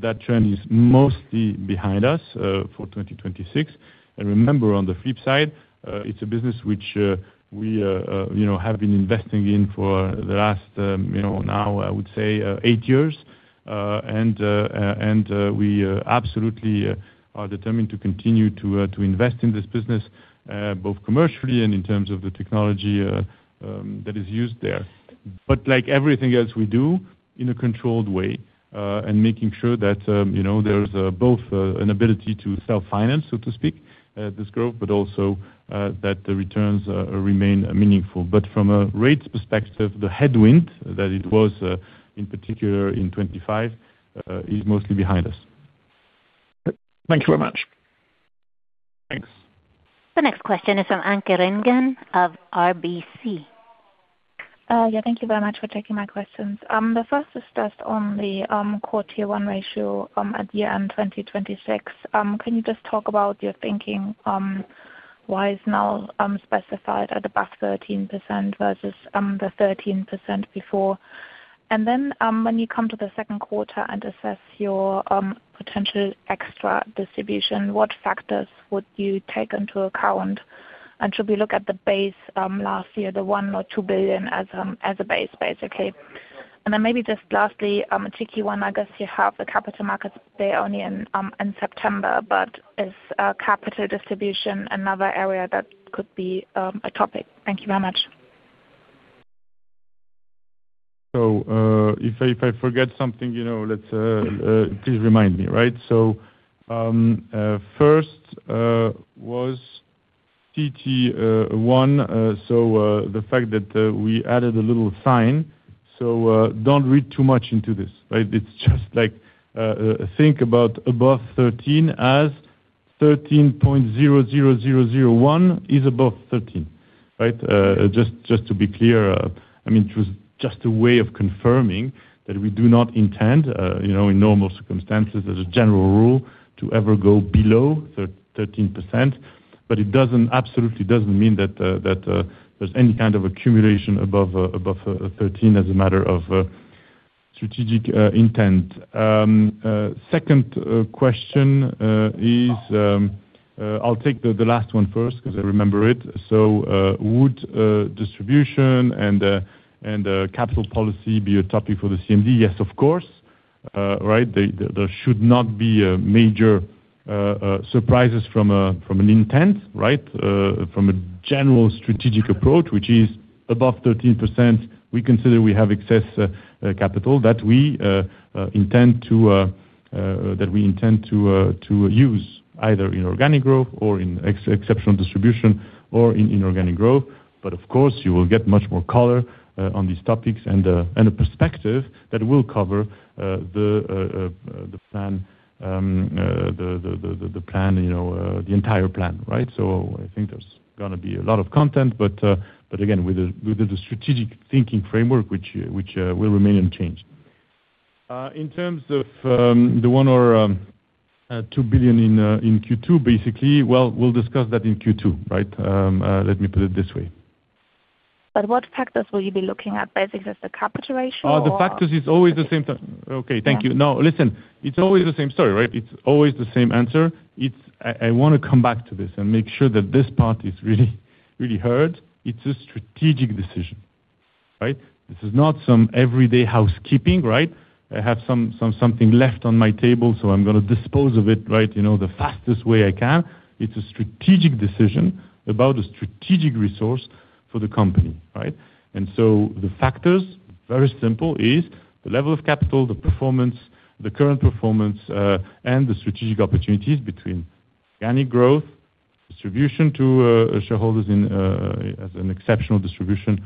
That trend is mostly behind us for 2026. Remember, on the flip side, it's a business which we have been investing in for the last now, I would say, eight years. We absolutely are determined to continue to invest in this business, both commercially and in terms of the technology that is used there. But like everything else we do, in a controlled way and making sure that there's both an ability to self-finance, so to speak, this growth, but also that the returns remain meaningful. But from a rates perspective, the headwind that it was, in particular in 2025, is mostly behind us. Thank you very much. Thanks. The next question is from Anke Reingen of RBC. Yeah. Thank you very much for taking my questions. The first is just on the CET1 ratio at year-end 2026. Can you just talk about your thinking why it's now specified at above 13% versus the 13% before? And then when you come to the second quarter and assess your potential extra distribution, what factors would you take into account? And should we look at the base last year, the 1 billion or 2 billion as a base, basically? Then maybe just lastly, a tricky one. I guess you have the capital markets there only in September, but is capital distribution another area that could be a topic? Thank you very much. So if I forget something, please remind me, right? So first was CET1, so the fact that we added a little sign. So don't read too much into this, right? It's just think about above 13% as 13.00001 is above 13%, right? Just to be clear, I mean, it was just a way of confirming that we do not intend, in normal circumstances, as a general rule, to ever go below 13%. But it absolutely doesn't mean that there's any kind of accumulation above 13% as a matter of strategic intent. Second question is I'll take the last one first because I remember it. So would distribution and capital policy be a topic for the CMD? Yes, of course, right? There should not be major surprises from an intent, right, from a general strategic approach, which is above 13%, we consider we have excess capital that we intend to use either in organic growth or in exceptional distribution or in inorganic growth. But of course, you will get much more color on these topics and a perspective that will cover the plan, the entire plan, right? So I think there's going to be a lot of content, but again, with the strategic thinking framework, which will remain unchanged. In terms of the 1 billion or 2 billion in Q2, basically, well, we'll discuss that in Q2, right? Let me put it this way. But what factors will you be looking at, basically, as the capital ratio or? The factors is always the same time. Okay. Thank you. No, listen, it's always the same story, right? It's always the same answer. I want to come back to this and make sure that this part is really heard. It's a strategic decision, right? This is not some everyday housekeeping, right? I have something left on my table, so I'm going to dispose of it, right, the fastest way I can. It's a strategic decision about a strategic resource for the company, right? And so the factors, very simple, is the level of capital, the performance, the current performance, and the strategic opportunities between organic growth, distribution to shareholders as an exceptional distribution,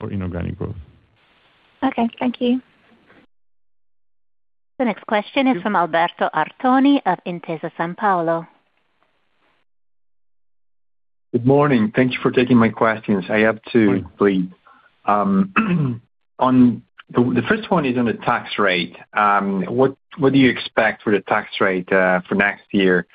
or inorganic growth. Okay. Thank you. The next question is from Alberto Artoni of Intesa Sanpaolo. Good morning. Thank you for taking my questions. I have two, please. The first one is on the tax rate. What do you expect for the tax rate for next year,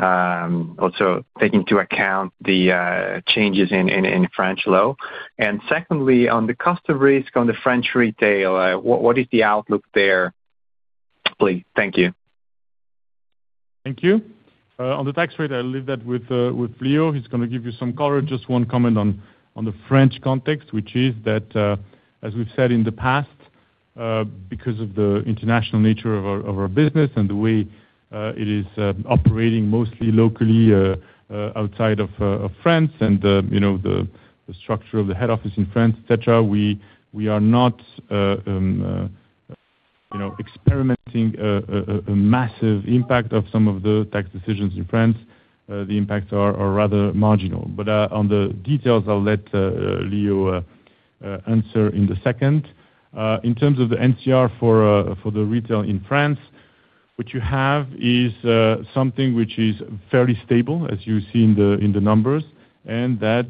also taking into account the changes in French law? And secondly, on the cost of risk on the French retail, what is the outlook there? Please. Thank you. Thank you. On the tax rate, I'll leave that with Leo. He's going to give you some color. Just one comment on the French context, which is that, as we've said in the past, because of the international nature of our business and the way it is operating mostly locally outside of France and the structure of the head office in France, etc., we are not experiencing a massive impact of some of the tax decisions in France. The impacts are rather marginal. But on the details, I'll let Leo answer in a second. In terms of the NCR for the retail in France, what you have is something which is fairly stable, as you see in the numbers, and that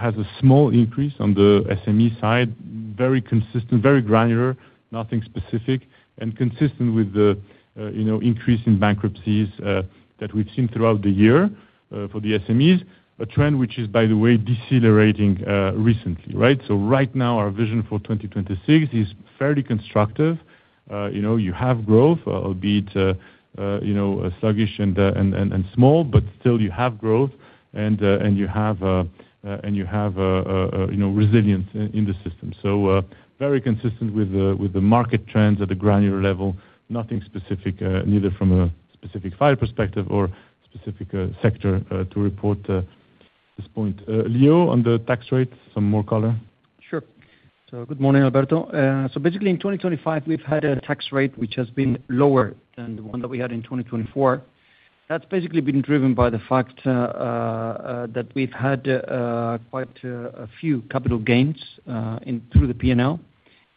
has a small increase on the SME side, very consistent, very granular, nothing specific, and consistent with the increase in bankruptcies that we've seen throughout the year for the SMEs, a trend which is, by the way, decelerating recently, right? So right now, our vision for 2026 is fairly constructive. You have growth, albeit sluggish and small, but still, you have growth, and you have resilience in the system. So very consistent with the market trends at a granular level, nothing specific, neither from a specific file perspective or specific sector to report this point. Leo, on the tax rate, some more color? Sure. So good morning, Alberto. So basically, in 2025, we've had a tax rate which has been lower than the one that we had in 2024. That's basically been driven by the fact that we've had quite a few capital gains through the P&L,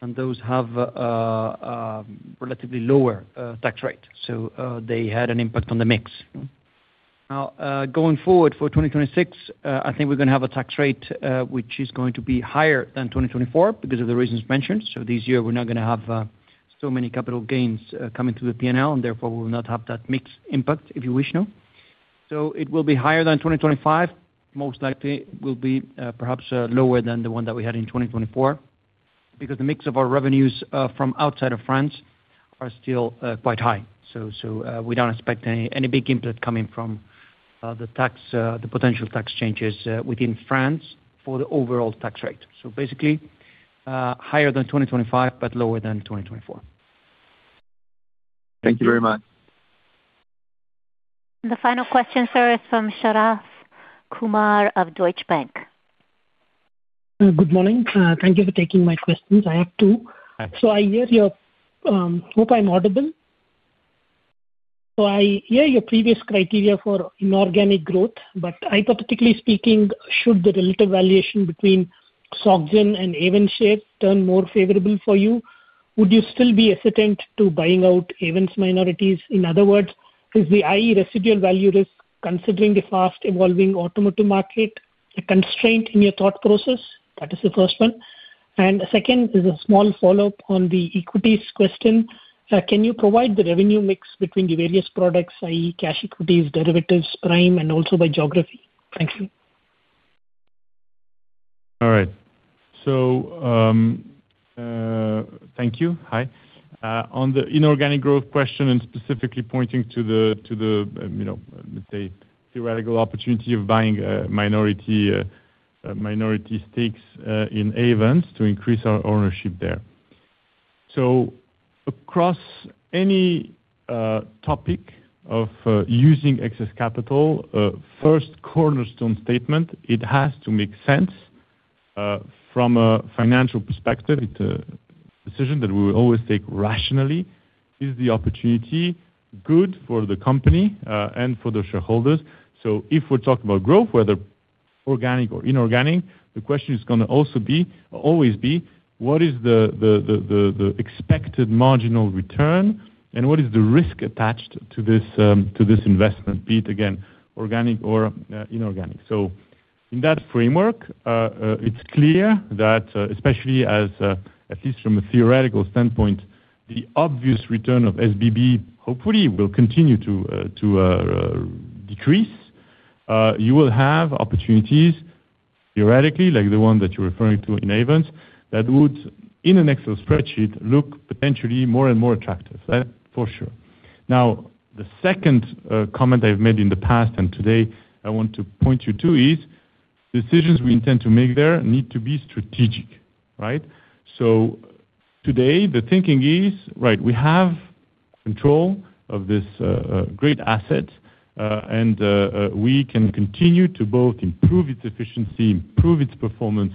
and those have a relatively lower tax rate. So they had an impact on the mix. Now, going forward for 2026, I think we're going to have a tax rate which is going to be higher than 2024 because of the reasons mentioned. So this year, we're not going to have so many capital gains coming through the P&L, and therefore, we will not have that mixed impact, if you wish, no. So it will be higher than 2025. Most likely, it will be perhaps lower than the one that we had in 2024 because the mix of our revenues from outside of France are still quite high. So we don't expect any big input coming from the potential tax changes within France for the overall tax rate. Basically, higher than 2025 but lower than 2024. Thank you very much. And the final question, sir, is from Sharath Kumar of Deutsche Bank. Good morning. Thank you for taking my questions. I have two. I hope I'm audible. I hear your previous criteria for inorganic growth, but hypothetically speaking, should the relative valuation between Soc Gén and Ayvens turn more favorable for you, would you still be hesitant to buying out Ayvens minorities? In other words, is the EV residual value risk, considering the fast-evolving automotive market, a constraint in your thought process? That is the first one. And second is a small follow-up on the equities question, can you provide the revenue mix between the various products, i.e., cash equities, derivatives, prime, and also by geography? Thank you. All right. So thank you. Hi. On the inorganic growth question and specifically pointing to the, let's say, theoretical opportunity of buying minority stakes in Ayvens to increase our ownership there. So across any topic of using excess capital, first cornerstone statement, it has to make sense from a financial perspective. It's a decision that we will always take rationally. Is the opportunity good for the company and for the shareholders? So if we're talking about growth, whether organic or inorganic, the question is going to also always be, what is the expected marginal return, and what is the risk attached to this investment, be it again organic or inorganic? So in that framework, it's clear that, especially at least from a theoretical standpoint, the obvious return of SBB hopefully will continue to decrease. You will have opportunities, theoretically, like the one that you're referring to in Ayvens, that would, in an Excel spreadsheet, look potentially more and more attractive, that's for sure. Now, the second comment I've made in the past and today I want to point you to is decisions we intend to make there need to be strategic, right? So today, the thinking is, right, we have control of this great asset, and we can continue to both improve its efficiency, improve its performance,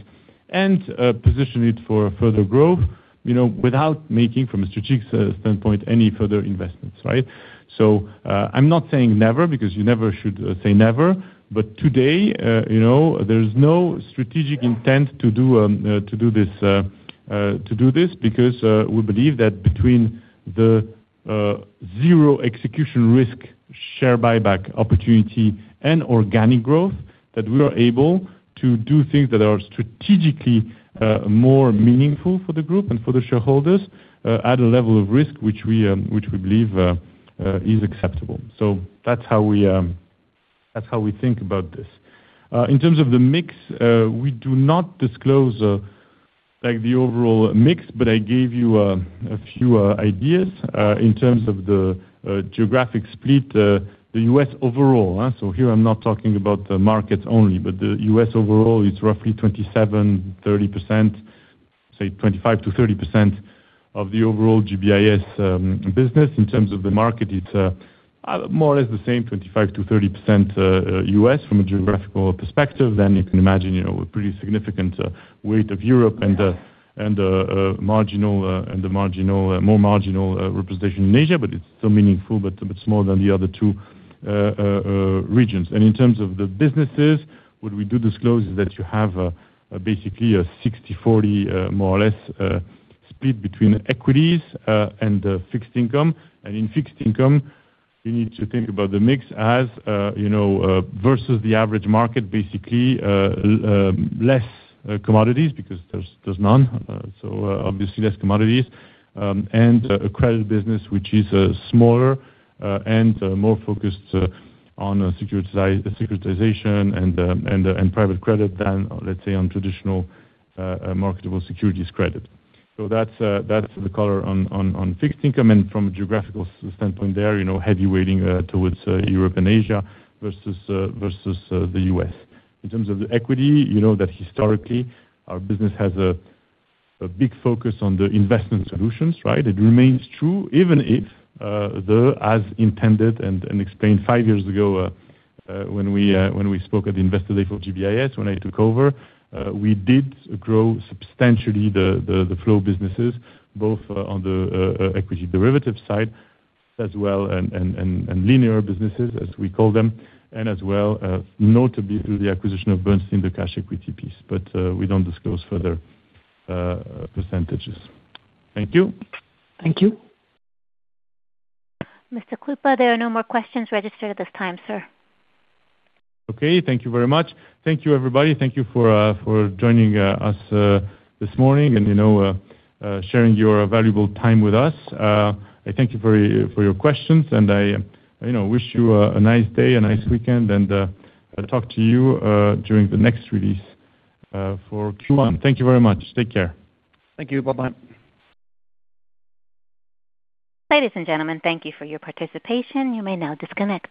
and position it for further growth without making, from a strategic standpoint, any further investments, right? So I'm not saying never because you never should say never, but today, there's no strategic intent to do this because we believe that between the zero-execution risk share buyback opportunity and organic growth, that we are able to do things that are strategically more meaningful for the group and for the shareholders at a level of risk which we believe is acceptable. So that's how we think about this. In terms of the mix, we do not disclose the overall mix, but I gave you a few ideas. In terms of the geographic split, the U.S. overall so here, I'm not talking about the markets only, but the U.S. overall is roughly 27%-30%, say, 25%-30% of the overall GBIS business. In terms of the market, it's more or less the same, 25%-30% U.S. from a geographical perspective. You can imagine a pretty significant weight of Europe and the marginal and the more marginal representation in Asia, but it's still meaningful, but it's smaller than the other two regions. In terms of the businesses, what we do disclose is that you have basically a 60/40, more or less, split between equities and fixed income. In fixed income, you need to think about the mix as versus the average market, basically less commodities because there's none, so obviously less commodities, and a credit business which is smaller and more focused on securitization and private credit than, let's say, on traditional marketable securities credit. That's the color on fixed income. From a geographical standpoint there, heavyweighting towards Europe and Asia versus the U.S. In terms of the equity, you know that historically, our business has a big focus on the investment solutions, right? It remains true even if, though, as intended and explained five years ago when we spoke at the Investor Day for GBIS, when I took over, we did grow substantially the flow businesses, both on the equity derivative side as well and linear businesses, as we call them, and as well notably through the acquisition of Bernstein in the cash equity piece. But we don't disclose further percentages. Thank you. Thank you. Mr. Krupa, there are no more questions registered at this time, sir. Okay. Thank you very much. Thank you, everybody. Thank you for joining us this morning and sharing your valuable time with us. I thank you for your questions, and I wish you a nice day, a nice weekend, and talk to you during the next release for Q1. Thank you very much. Take care. Thank you. Bye-bye. Ladies and gentlemen, thank you for your participation. You may now disconnect.